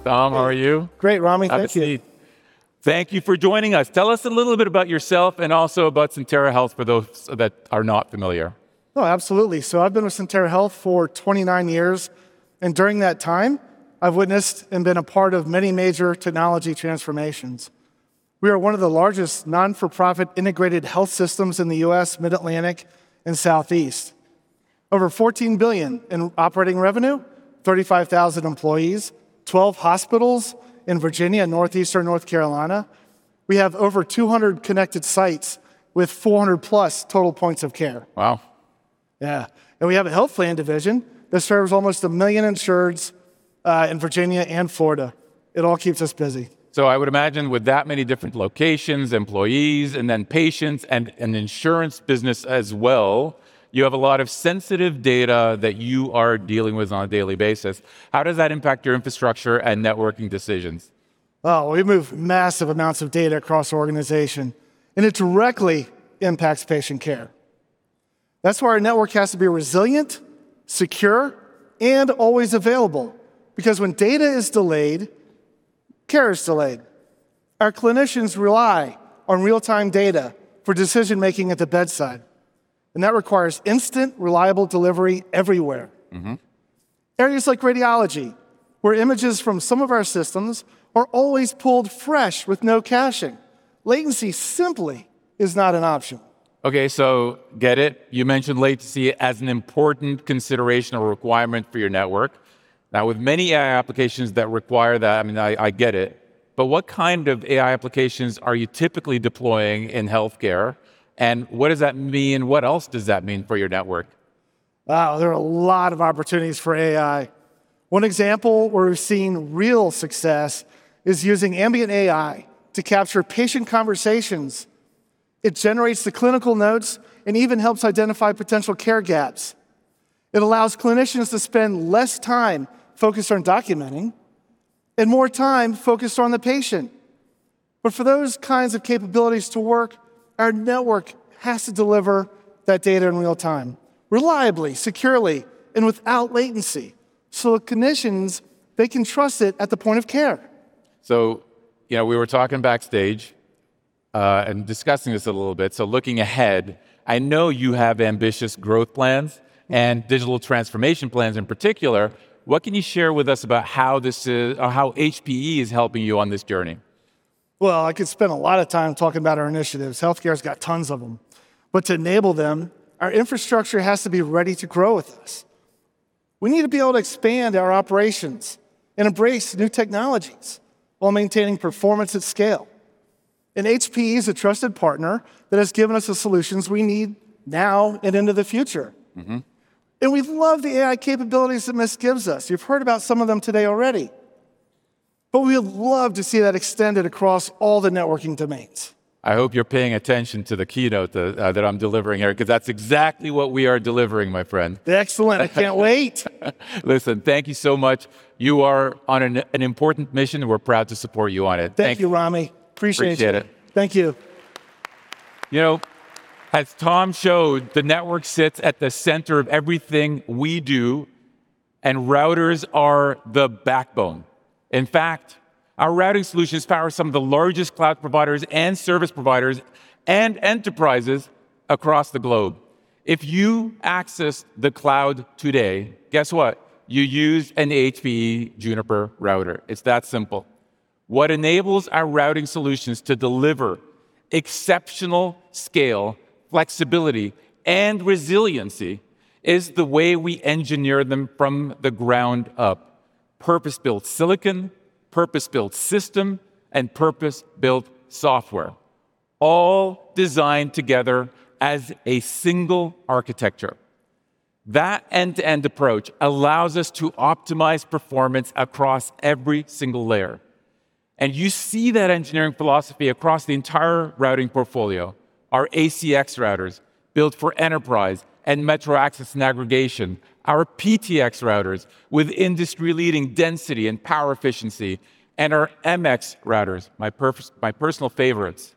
Tom, how are you? Great, Rami. Thank you. Happy to see you. Thank you for joining us. Tell us a little bit about yourself and also about Sentara Health for those that are not familiar. Absolutely. I've been with Sentara Health for 29 years, and during that time, I've witnessed and been a part of many major technology transformations. We are one of the largest non-for-profit integrated health systems in the U.S., Mid-Atlantic, and Southeast. Over $14 billion in operating revenue, 35,000 employees, 12 hospitals in Virginia, northeastern North Carolina. We have over 200 connected sites with 400-plus total points of care. Wow. Yeah. We have a health plan division that serves almost 1 million insureds in Virginia and Florida. It all keeps us busy. I would imagine with that many different locations, employees, and patients, and an insurance business as well, you have a lot of sensitive data that you are dealing with on a daily basis. How does that impact your infrastructure and networking decisions? We move massive amounts of data across our organization, It directly impacts patient care. That's why our network has to be resilient, secure, and always available because when data is delayed, care is delayed. Our clinicians rely on real-time data for decision-making at the bedside, That requires instant, reliable delivery everywhere. Areas like radiology, where images from some of our systems are always pulled fresh with no caching. Latency simply is not an option. Okay, get it. With many AI applications that require that, I get it. What kind of AI applications are you typically deploying in healthcare, and what does that mean? What else does that mean for your network? Wow, there are a lot of opportunities for AI. One example where we're seeing real success is using ambient AI to capture patient conversations. It generates the clinical notes and even helps identify potential care gaps. It allows clinicians to spend less time focused on documenting and more time focused on the patient. For those kinds of capabilities to work, our network has to deliver that data in real time, reliably, securely, and without latency, the clinicians, they can trust it at the point of care. We were talking backstage and discussing this a little bit. Looking ahead, I know you have ambitious growth plans and digital transformation plans in particular. What can you share with us about how HPE is helping you on this journey? Well, I could spend a lot of time talking about our initiatives. Healthcare's got tons of them. To enable them, our infrastructure has to be ready to grow with us. We need to be able to expand our operations and embrace new technologies while maintaining performance at scale. HPE is a trusted partner that has given us the solutions we need now and into the future. We love the AI capabilities that Mist gives us. You've heard about some of them today already. We would love to see that extended across all the networking domains. I hope you're paying attention to the keynote that I'm delivering here because that's exactly what we are delivering, my friend. Excellent. I can't wait. Listen, thank you so much. You are on an important mission, and we're proud to support you on it. Thank you. Thank you, Rami. Appreciate it. Appreciate it. Thank you. As Tom showed, the network sits at the center of everything we do, and routers are the backbone. In fact, our routing solutions power some of the largest cloud providers and service providers and enterprises across the globe. If you access the cloud today, guess what? You used an HPE Juniper router. It is that simple. What enables our routing solutions to deliver exceptional scale, flexibility, and resiliency is the way we engineer them from the ground up. Purpose-built silicon, purpose-built system, and purpose-built software, all designed together as a single architecture. That end-to-end approach allows us to optimize performance across every single layer, and you see that engineering philosophy across the entire routing portfolio. Our ACX routers, built for enterprise and metro access and aggregation, our PTX routers, with industry-leading density and power efficiency, and our MX routers, my personal favorites,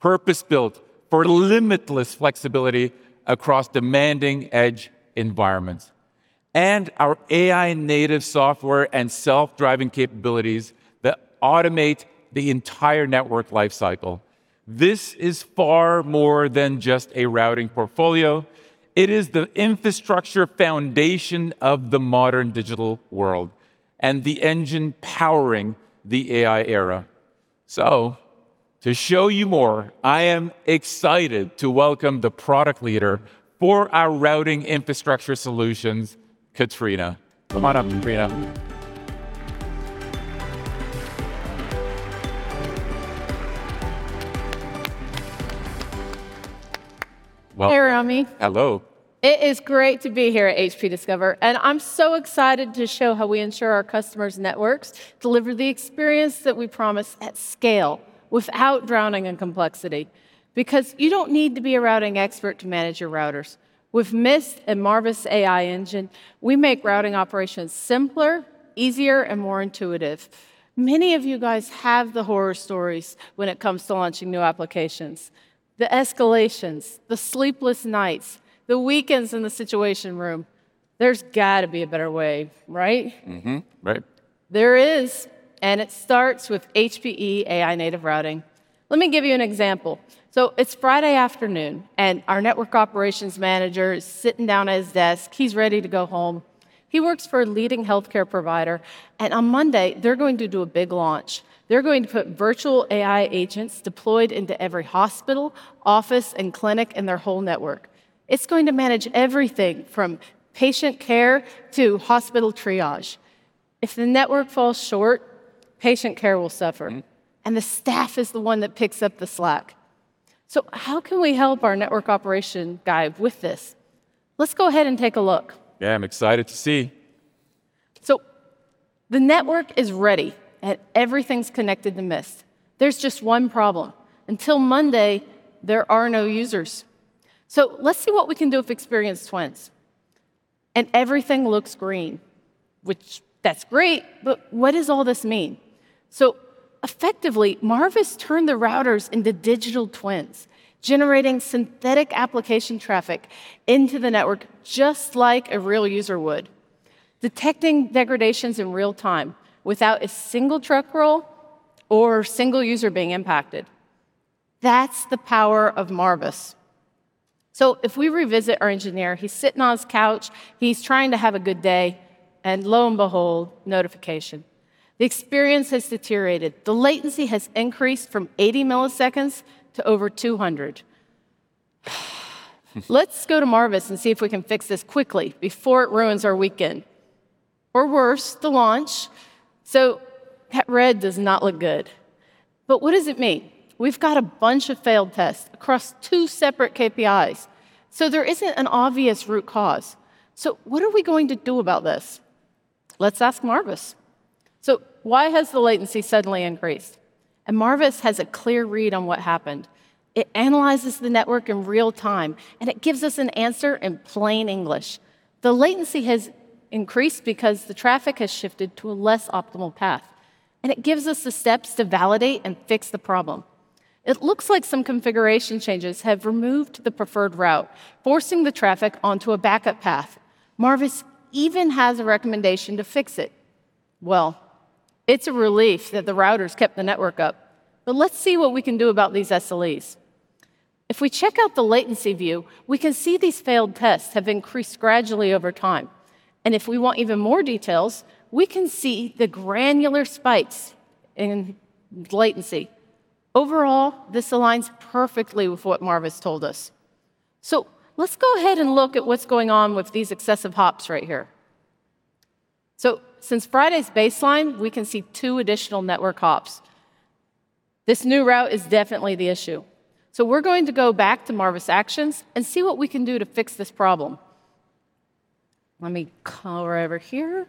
purpose-built for limitless flexibility across demanding edge environments. Our AI-native software and self-driving capabilities that automate the entire network life cycle. This is far more than just a routing portfolio. It is the infrastructure foundation of the modern digital world and the engine powering the AI era. To show you more, I am excited to welcome the product leader for our routing infrastructure solutions, Katrina. Come on up, Katrina. Welcome. Hey, Rami. Hello. It is great to be here at HPE Discover, and I am so excited to show how we ensure our customers' networks deliver the experience that we promise at scale without drowning in complexity because you don't need to be a routing expert to manage your routers. With Mist and Marvis AI engine, we make routing operations simpler, easier, and more intuitive. Many of you guys have the horror stories when it comes to launching new applications. The escalations, the sleepless nights, the weekends in the situation room. There's got to be a better way, right? Mm-hmm. Right. There is. It starts with HPE AI native routing. Let me give you an example. It's Friday afternoon. Our network operations manager is sitting down at his desk. He's ready to go home. He works for a leading healthcare provider. On Monday, they're going to do a big launch. They're going to put virtual AI agents deployed into every hospital, office, and clinic in their whole network. It's going to manage everything from patient care to hospital triage. If the network falls short, patient care will suffer. The staff is the one that picks up the slack. How can we help our network operation guide with this? Let's go ahead and take a look. Yeah, I'm excited to see. The network is ready, everything's connected to Mist. There's just one problem. Until Monday, there are no users. Let's see what we can do with Digital Experience Twins. Everything looks green, which that's great, but what does all this mean? Effectively, Marvis turned the routers into Digital Experience Twins, generating synthetic application traffic into the network just like a real user would, detecting degradations in real-time without a single truck roll or single user being impacted. That's the power of Marvis. If we revisit our engineer, he's sitting on his couch, he's trying to have a good day, and lo and behold, notification. The experience has deteriorated. The latency has increased from 80 milliseconds to over 200. Let's go to Marvis and see if we can fix this quickly before it ruins our weekend, or worse, the launch. That red does not look good. What does it mean? We've got a bunch of failed tests across two separate KPIs. There isn't an obvious root cause. What are we going to do about this? Let's ask Marvis. Why has the latency suddenly increased? Marvis has a clear read on what happened. It analyzes the network in real-time, and it gives us an answer in plain English. The latency has increased because the traffic has shifted to a less optimal path, and it gives us the steps to validate and fix the problem. It looks like some configuration changes have removed the preferred route, forcing the traffic onto a backup path. Marvis even has a recommendation to fix it. Well, it's a relief that the routers kept the network up. Let's see what we can do about these SLEs. If we check out the latency view, we can see these failed tests have increased gradually over time. If we want even more details, we can see the granular spikes in latency. Overall, this aligns perfectly with what Marvis told us. Let's go ahead and look at what's going on with these excessive hops right here. Since Friday's baseline, we can see two additional network hops. This new route is definitely the issue. We're going to go back to Marvis Actions and see what we can do to fix this problem. Let me come over here.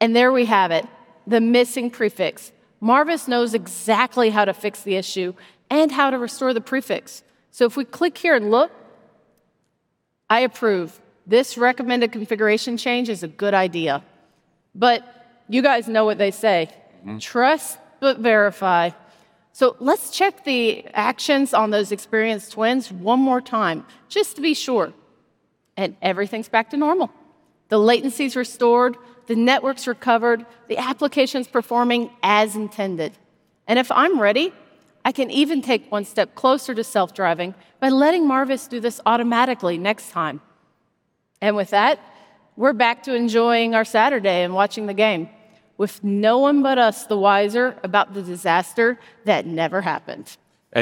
There we have it, the missing prefix. Marvis knows exactly how to fix the issue and how to restore the prefix. If we click here and look, I approve. This recommended configuration change is a good idea. You guys know what they say. Trust but verify. Let's check the actions on those Digital Experience Twins one more time just to be sure. Everything's back to normal. The latency's restored, the network's recovered, the application's performing as intended. If I'm ready, I can even take one step closer to self-driving by letting Marvis do this automatically next time. With that, we're back to enjoying our Saturday and watching the game with no one but us the wiser about the disaster that never happened.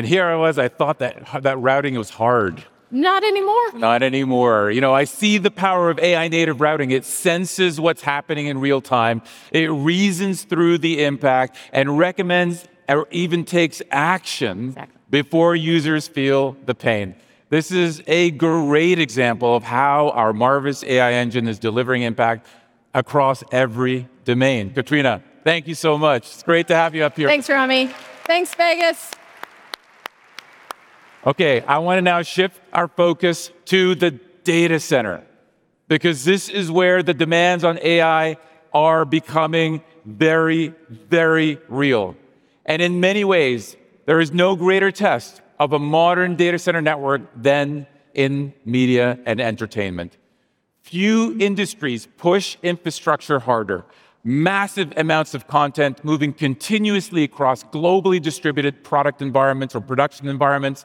here I was, I thought that routing was hard. Not anymore. Not anymore. I see the power of AI-native routing. It senses what's happening in real-time, it reasons through the impact, and recommends or even takes action. Exactly Before users feel the pain, this is a great example of how our Marvis AI engine is delivering impact across every domain. Katrina, thank you so much. It's great to have you up here. Thanks, Rami. Thanks, Vegas. I want to now shift our focus to the data center, because this is where the demands on AI are becoming very real. In many ways, there is no greater test of a modern data center network than in media and entertainment. Few industries push infrastructure harder. Massive amounts of content moving continuously across globally distributed product environments or production environments,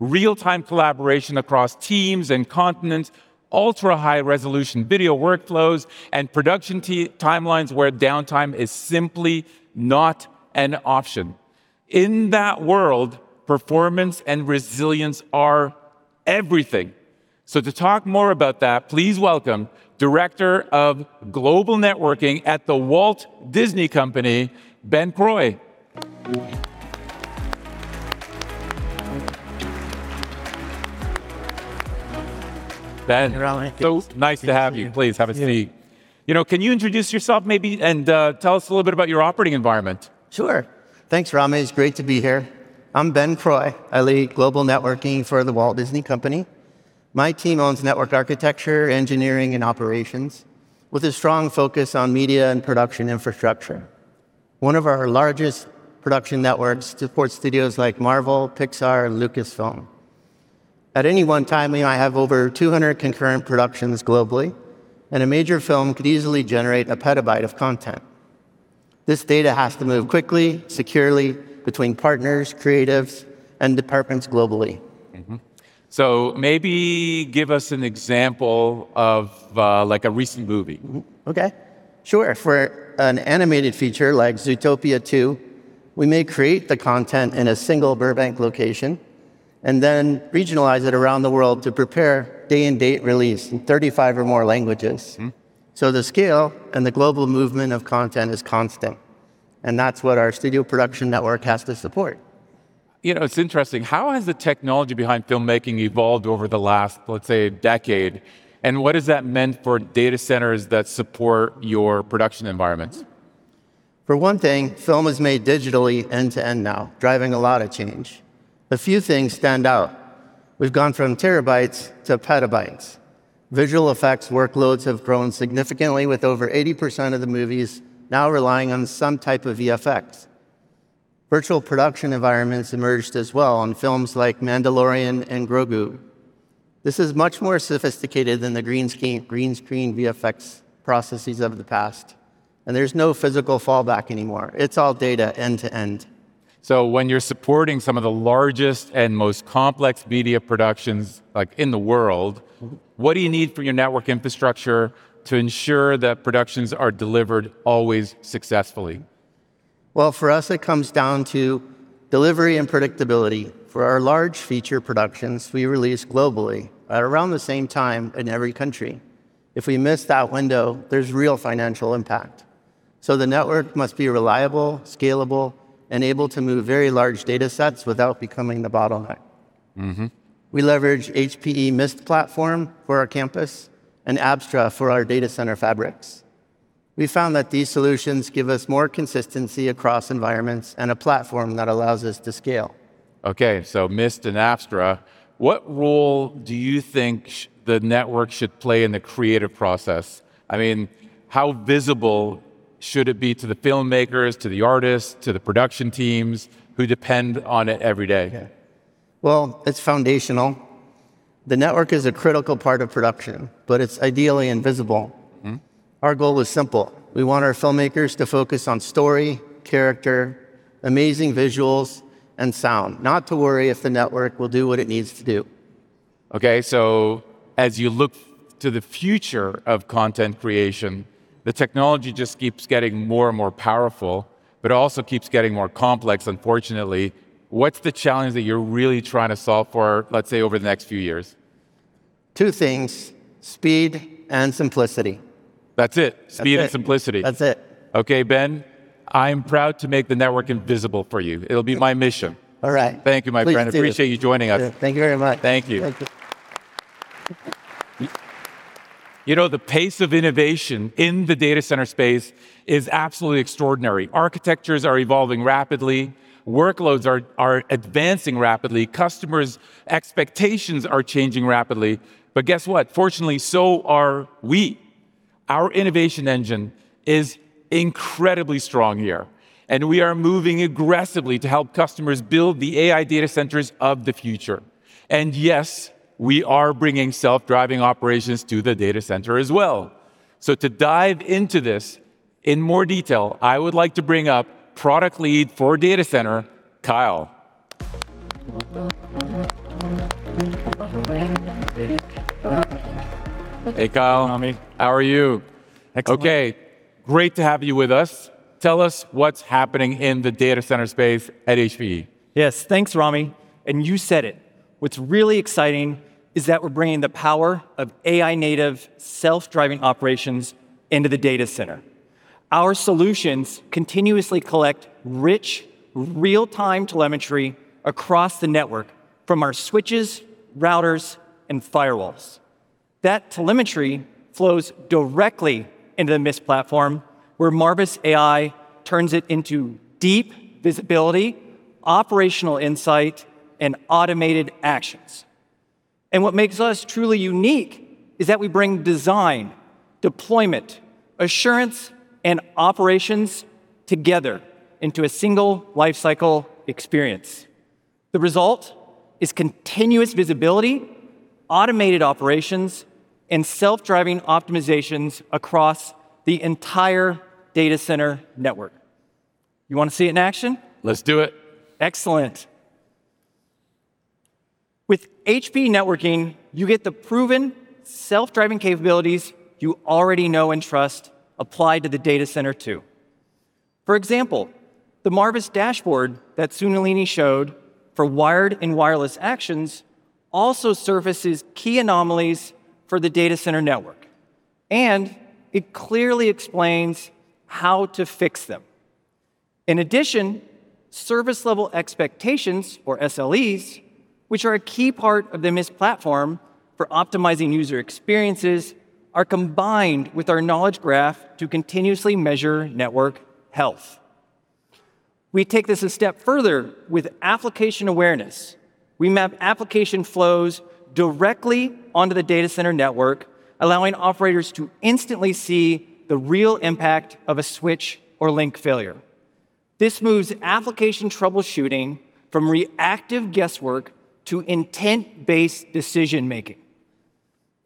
real-time collaboration across teams and continents, ultra-high-resolution video workflows, and production timelines where downtime is simply not an option. In that world, performance and resilience are everything. To talk more about that, please welcome Director of Global Networking at The Walt Disney Company, Ben Croy. Ben. Hey, Rami. Good to see you. Nice to have you. Please have a seat. Yeah. Can you introduce yourself maybe, and tell us a little bit about your operating environment? Sure. Thanks, Rami. It's great to be here. I'm Ben Croy. I lead global networking for The Walt Disney Company. My team owns network architecture, engineering, and operations with a strong focus on media and production infrastructure. One of our largest production networks supports studios like Marvel, Pixar, and Lucasfilm. At any one time, I have over 200 concurrent productions globally, and a major film could easily generate a petabyte of content. This data has to move quickly, securely between partners, creatives, and departments globally. Maybe give us an example of a recent movie. Okay. Sure. For an animated feature like "Zootopia 2," we may create the content in a single Burbank location then regionalize it around the world to prepare day and date release in 35 or more languages. The scale and the global movement of content is constant, and that's what our studio production network has to support. It's interesting. How has the technology behind filmmaking evolved over the last, let's say, decade? What has that meant for data centers that support your production environments? For one thing, film is made digitally end to end now, driving a lot of change. A few things stand out. We've gone from terabytes to petabytes. Visual effects workloads have grown significantly, with over 80% of the movies now relying on some type of VFX. Virtual production environments emerged as well on films like Mandalorian and Grogu. This is much more sophisticated than the green screen VFX processes of the past, and there's no physical fallback anymore. It's all data end to end. When you're supporting some of the largest and most complex media productions in the world, what do you need from your network infrastructure to ensure that productions are delivered always successfully? Well, for us, it comes down to delivery and predictability. For our large feature productions, we release globally at around the same time in every country. If we miss that window, there's real financial impact. The network must be reliable, scalable, and able to move very large data sets without becoming the bottleneck. We leverage HPE Mist platform for our campus and Apstra for our data center fabrics. We found that these solutions give us more consistency across environments and a platform that allows us to scale. Okay. Mist and Apstra. What role do you think the network should play in the creative process? How visible should it be to the filmmakers, to the artists, to the production teams who depend on it every day? Well, it's foundational. The network is a critical part of production, but it's ideally invisible. Our goal is simple. We want our filmmakers to focus on story, character, amazing visuals, and sound, not to worry if the network will do what it needs to do. As you look to the future of content creation, the technology just keeps getting more and more powerful, but also keeps getting more complex, unfortunately. What's the challenge that you're really trying to solve for, let's say, over the next few years? Two things, speed and simplicity. That's it. Speed and simplicity. That's it. Okay, Ben, I'm proud to make the network invisible for you. It'll be my mission. All right. Thank you, my friend. Please do. Appreciate you joining us. Thank you very much. Thank you. Thank you. The pace of innovation in the data center space is absolutely extraordinary. Architectures are evolving rapidly, workloads are advancing rapidly, customers' expectations are changing rapidly. Guess what? Fortunately, so are we. Our innovation engine is incredibly strong here, and we are moving aggressively to help customers build the AI data centers of the future. Yes, we are bringing self-driving operations to the data center as well. To dive into this in more detail, I would like to bring up Product Lead for Data Center, Kyle. Hey, Kyle. Hi, Rami. How are you? Excellent. Okay, great to have you with us. Tell us what's happening in the data center space at HPE. Yes, thanks, Rami. You said it. What's really exciting is that we're bringing the power of AI native self-driving operations into the data center. Our solutions continuously collect rich, real-time telemetry across the network from our switches, routers, and firewalls. That telemetry flows directly into the Mist platform, where Marvis AI turns it into deep visibility, operational insight, and automated actions. What makes us truly unique is that we bring design, deployment, assurance, and operations together into a single life cycle experience. The result is continuous visibility, automated operations, and self-driving optimizations across the entire data center network. You want to see it in action? Let's do it. Excellent. With HPE Networking, you get the proven self-driving capabilities you already know and trust applied to the data center too. For example, the Marvis dashboard that Sunalini showed for wired and wireless actions also services key anomalies for the data center network, and it clearly explains how to fix them. In addition, service level expectations or SLEs, which are a key part of the Mist platform for optimizing user experiences, are combined with our knowledge graph to continuously measure network health. We take this a step further with application awareness. We map application flows directly onto the data center network, allowing operators to instantly see the real impact of a switch or link failure. This moves application troubleshooting from reactive guesswork to intent-based decision making.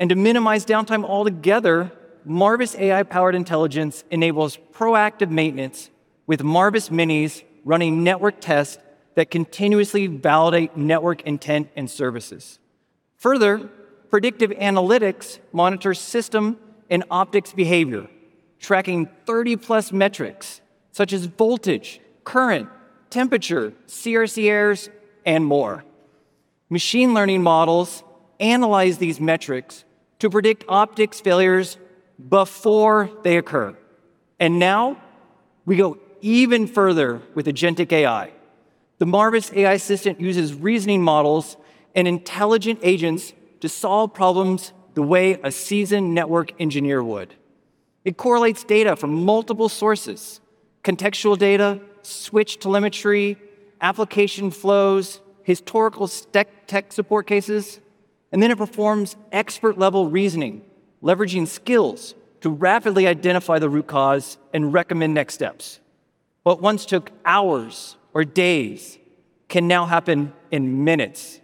To minimize downtime altogether, Marvis AI-powered intelligence enables proactive maintenance with Marvis Minis running network tests that continuously validate network intent and services. Further, predictive analytics monitors system and optics behavior, tracking 30-plus metrics such as voltage, current, temperature, CRC errors, and more. Machine learning models analyze these metrics to predict optics failures before they occur. Now, we go even further with agentic AI. The Marvis AI assistant uses reasoning models and intelligent agents to solve problems the way a seasoned network engineer would. It correlates data from multiple sources, contextual data, switch telemetry, application flows, historical tech support cases, then it performs expert-level reasoning, leveraging skills to rapidly identify the root cause and recommend next steps. What once took hours or days can now happen in minutes.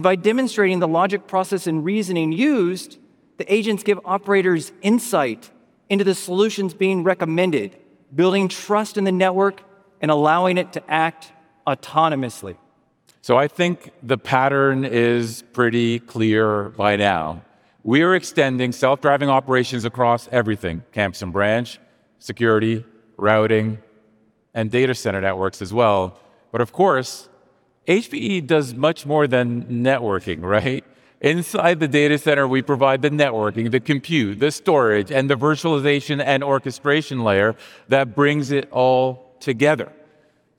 By demonstrating the logic, process, and reasoning used, the agents give operators insight into the solutions being recommended, building trust in the network and allowing it to act autonomously. I think the pattern is pretty clear by now. We are extending self-driving operations across everything, campus and branch, security, routing, and data center networks as well. HPE does much more than networking, right? Inside the data center, we provide the networking, the compute, the storage, and the virtualization and orchestration layer that brings it all together.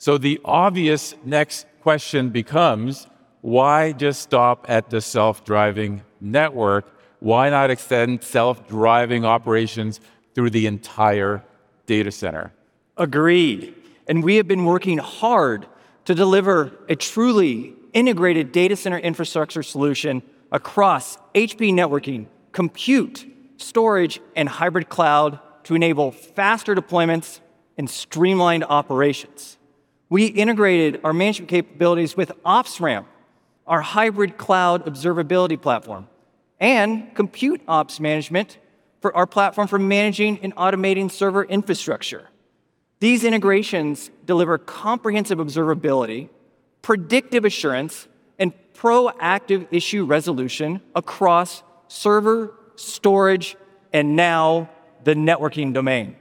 The obvious next question becomes, why just stop at the self-driving network? Why not extend self-driving operations through the entire data center? Agreed. We have been working hard to deliver a truly integrated data center infrastructure solution across HPE networking, compute, storage, and hybrid cloud to enable faster deployments and streamlined operations. We integrated our management capabilities with OpsRamp, our hybrid cloud observability platform, and Compute Ops Management for our platform for managing and automating server infrastructure. These integrations deliver comprehensive observability, predictive assurance, and proactive issue resolution across server, storage, and now the networking domain.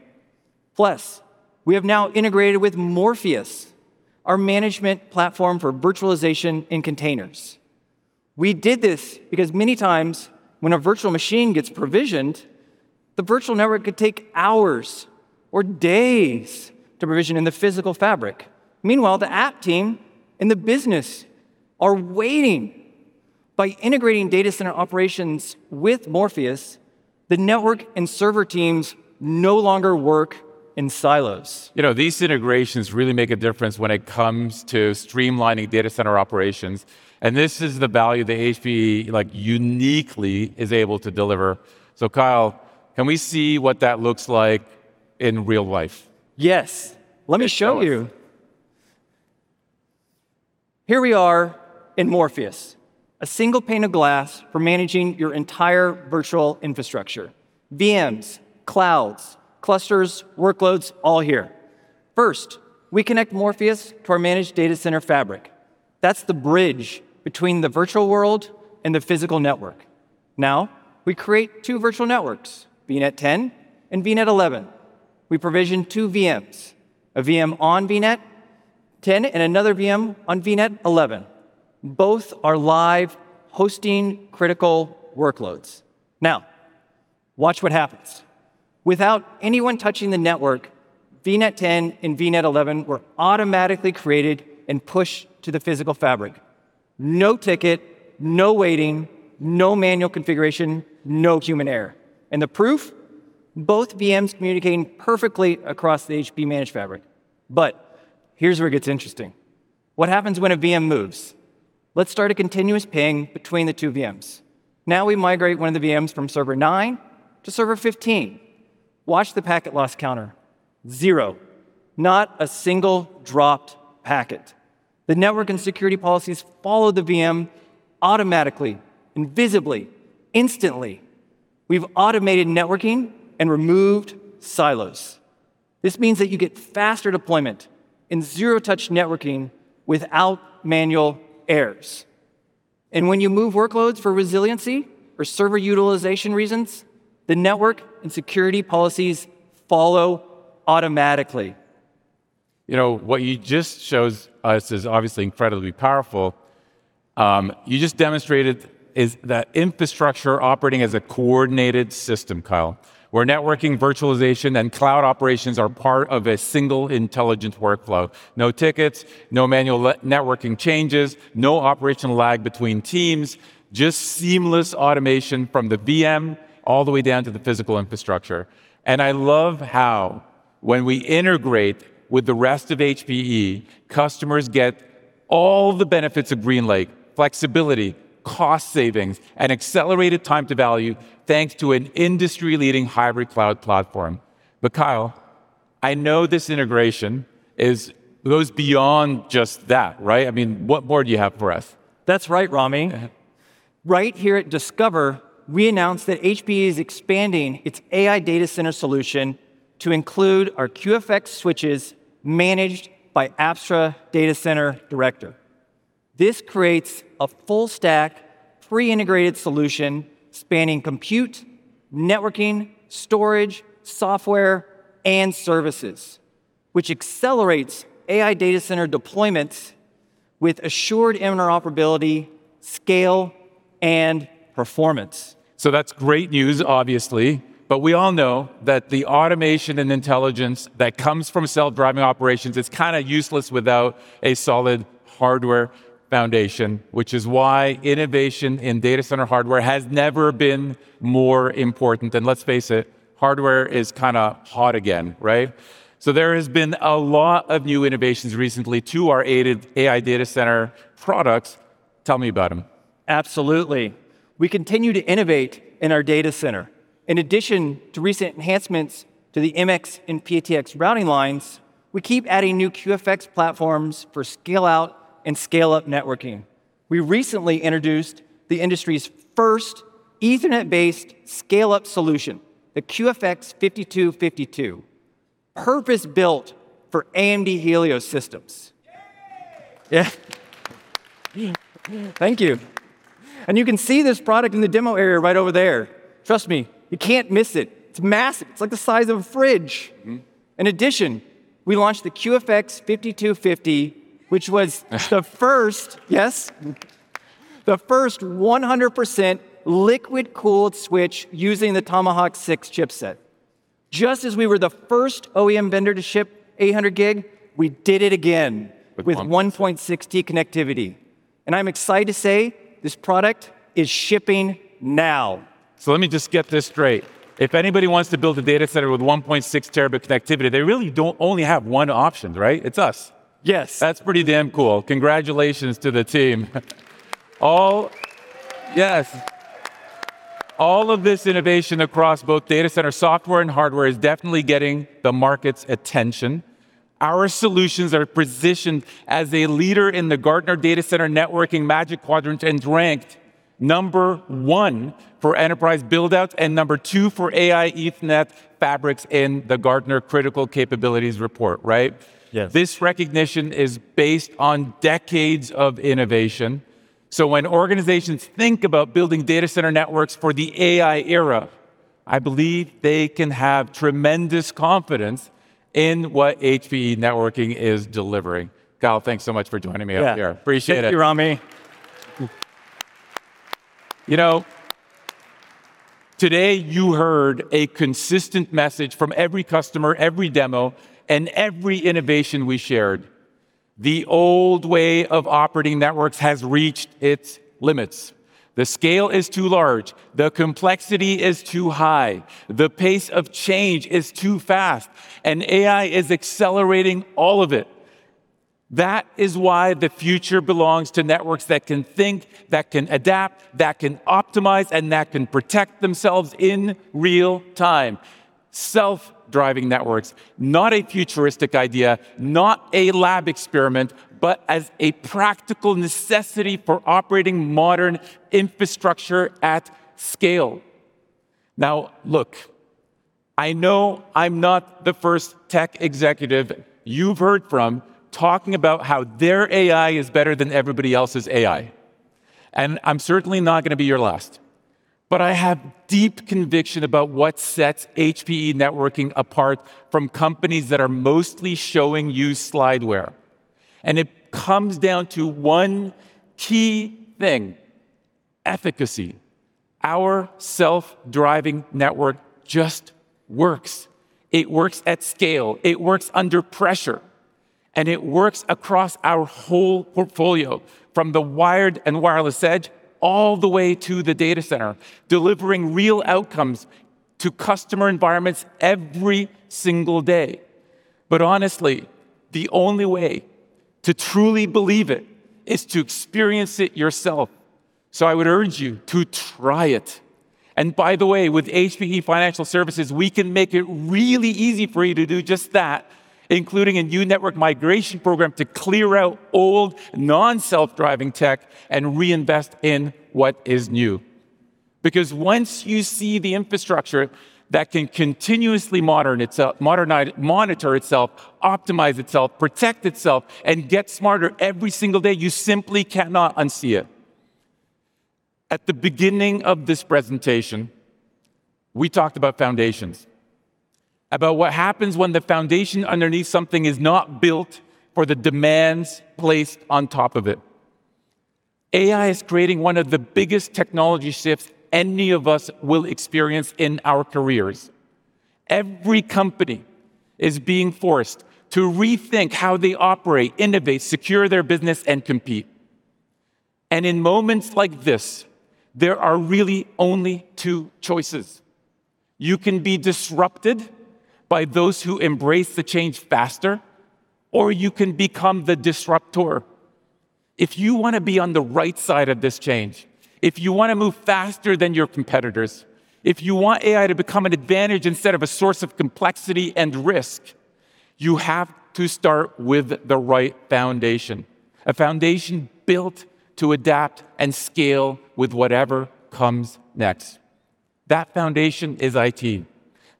We have now integrated with Morpheus, our management platform for virtualization and containers. We did this because many times when a virtual machine gets provisioned, the virtual network could take hours or days to provision in the physical fabric. Meanwhile, the app team and the business are waiting. By integrating data center operations with Morpheus, the network and server teams no longer work in silos. These integrations really make a difference when it comes to streamlining data center operations, and this is the value that HPE uniquely is able to deliver. Kyle, can we see what that looks like in real life? Yes. Let me show you. Here we are in Morpheus, a single pane of glass for managing your entire virtual infrastructure. VMs, clouds, clusters, workloads, all here. First, we connect Morpheus to our managed data center fabric. That's the bridge between the virtual world and the physical network. Now, we create two virtual networks, VNet 10 and VNet 11. We provision two VMs, a VM on VNet 10 and another VM on VNet 11. Both are live, hosting critical workloads. The proof? Both VMs communicating perfectly across the HPE managed fabric. Here's where it gets interesting. What happens when a VM moves? Let's start a continuous ping between the two VMs. Now we migrate one of the VMs from server nine to server 15. Watch the packet loss counter. Zero. Not a single dropped packet. The network and security policies follow the VM automatically, invisibly, instantly. We've automated networking and removed silos. This means that you get faster deployment and zero-touch networking without manual errors. When you move workloads for resiliency or server utilization reasons, the network and security policies follow automatically. What you just showed us is obviously incredibly powerful. You just demonstrated is that infrastructure operating as a coordinated system, Kyle, where networking, virtualization, and cloud operations are part of a single intelligent workflow. No tickets, no manual networking changes, no operational lag between teams, just seamless automation from the VM all the way down to the physical infrastructure. I love how when we integrate with the rest of HPE, customers get all the benefits of GreenLake: flexibility, cost savings, and accelerated time to value, thanks to an industry-leading hybrid cloud platform. Kyle, I know this integration goes beyond just that, right? What more do you have for us? That's right, Rami. Yeah. Right here at Discover, we announced that HPE is expanding its AI data center solution to include our QFX switches managed by Apstra Data Center Director. This creates a full-stack, pre-integrated solution spanning compute, networking, storage, software, and services, which accelerates AI data center deployments with assured interoperability, scale, and performance. That's great news, obviously, but we all know that the automation and intelligence that comes from self-driving operations is kind of useless without a solid hardware foundation, which is why innovation in data center hardware has never been more important. Let's face it, hardware is kind of hot again, right? There has been a lot of new innovations recently to our AI data center products. Tell me about them. Absolutely. We continue to innovate in our data center. In addition to recent enhancements to the MX and PTX routing lines, we keep adding new QFX platforms for scale-out and scale-up networking. We recently introduced the industry's first Ethernet-based scale-up solution, the QFX 5252, purpose-built for AMD Helios systems. Yay. Yeah. Thank you. You can see this product in the demo area right over there. Trust me, you can't miss it. It's massive. It's like the size of a fridge. In addition, we launched the QFX5250, which was the first. The first 100% liquid-cooled switch using the Tomahawk 6 chipset. Just as we were the first OEM vendor to ship 800 Gig, we did it again with 1.6T connectivity. I'm excited to say this product is shipping now. Let me just get this straight. If anybody wants to build a data center with 1.6 terabit connectivity, they really don't only have one option, right? It's us. Yes. That's pretty damn cool. Congratulations to the team. Yes. All of this innovation across both data center software and hardware is definitely getting the market's attention. Our solutions are positioned as a leader in the Gartner Data Center Networking Magic Quadrant and ranked number 1 for enterprise build-outs and number 2 for AI Ethernet fabrics in the Gartner Critical Capabilities report. Right? Yes. This recognition is based on decades of innovation. When organizations think about building data center networks for the AI era, I believe they can have tremendous confidence in what HPE Networking is delivering. Kyle, thanks so much for joining me up here. Yeah. Appreciate it. Thank you, Rami. Today you heard a consistent message from every customer, every demo, and every innovation we shared. The old way of operating networks has reached its limits. The scale is too large, the complexity is too high, the pace of change is too fast, AI is accelerating all of it. That is why the future belongs to networks that can think, that can adapt, that can optimize, and that can protect themselves in real time. Self-driving networks, not a futuristic idea, not a lab experiment, but as a practical necessity for operating modern infrastructure at scale. Look, I know I'm not the first tech executive you've heard from talking about how their AI is better than everybody else's AI, and I'm certainly not going to be your last. I have deep conviction about what sets HPE Aruba Networking apart from companies that are mostly showing you slideware, it comes down to one key thing, efficacy. Our self-driving network just works. It works at scale, it works under pressure, and it works across our whole portfolio, from the wired and wireless edge all the way to the data center, delivering real outcomes to customer environments every single day. Honestly, the only way to truly believe it is to experience it yourself. I would urge you to try it. By the way, with HPE Financial Services, we can make it really easy for you to do just that, including a new network migration program to clear out old non-self-driving tech and reinvest in what is new. Once you see the infrastructure that can continuously monitor itself, optimize itself, protect itself, and get smarter every single day, you simply cannot unsee it. At the beginning of this presentation, we talked about foundations, about what happens when the foundation underneath something is not built for the demands placed on top of it. AI is creating one of the biggest technology shifts any of us will experience in our careers. Every company is being forced to rethink how they operate, innovate, secure their business, and compete. In moments like this, there are really only two choices. You can be disrupted by those who embrace the change faster, or you can become the disruptor. If you want to be on the right side of this change, if you want to move faster than your competitors, if you want AI to become an advantage instead of a source of complexity and risk, you have to start with the right foundation. A foundation built to adapt and scale with whatever comes next. That foundation is IT.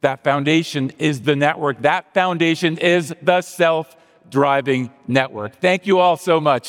That foundation is the network. That foundation is the self-driving network. Thank you all so much.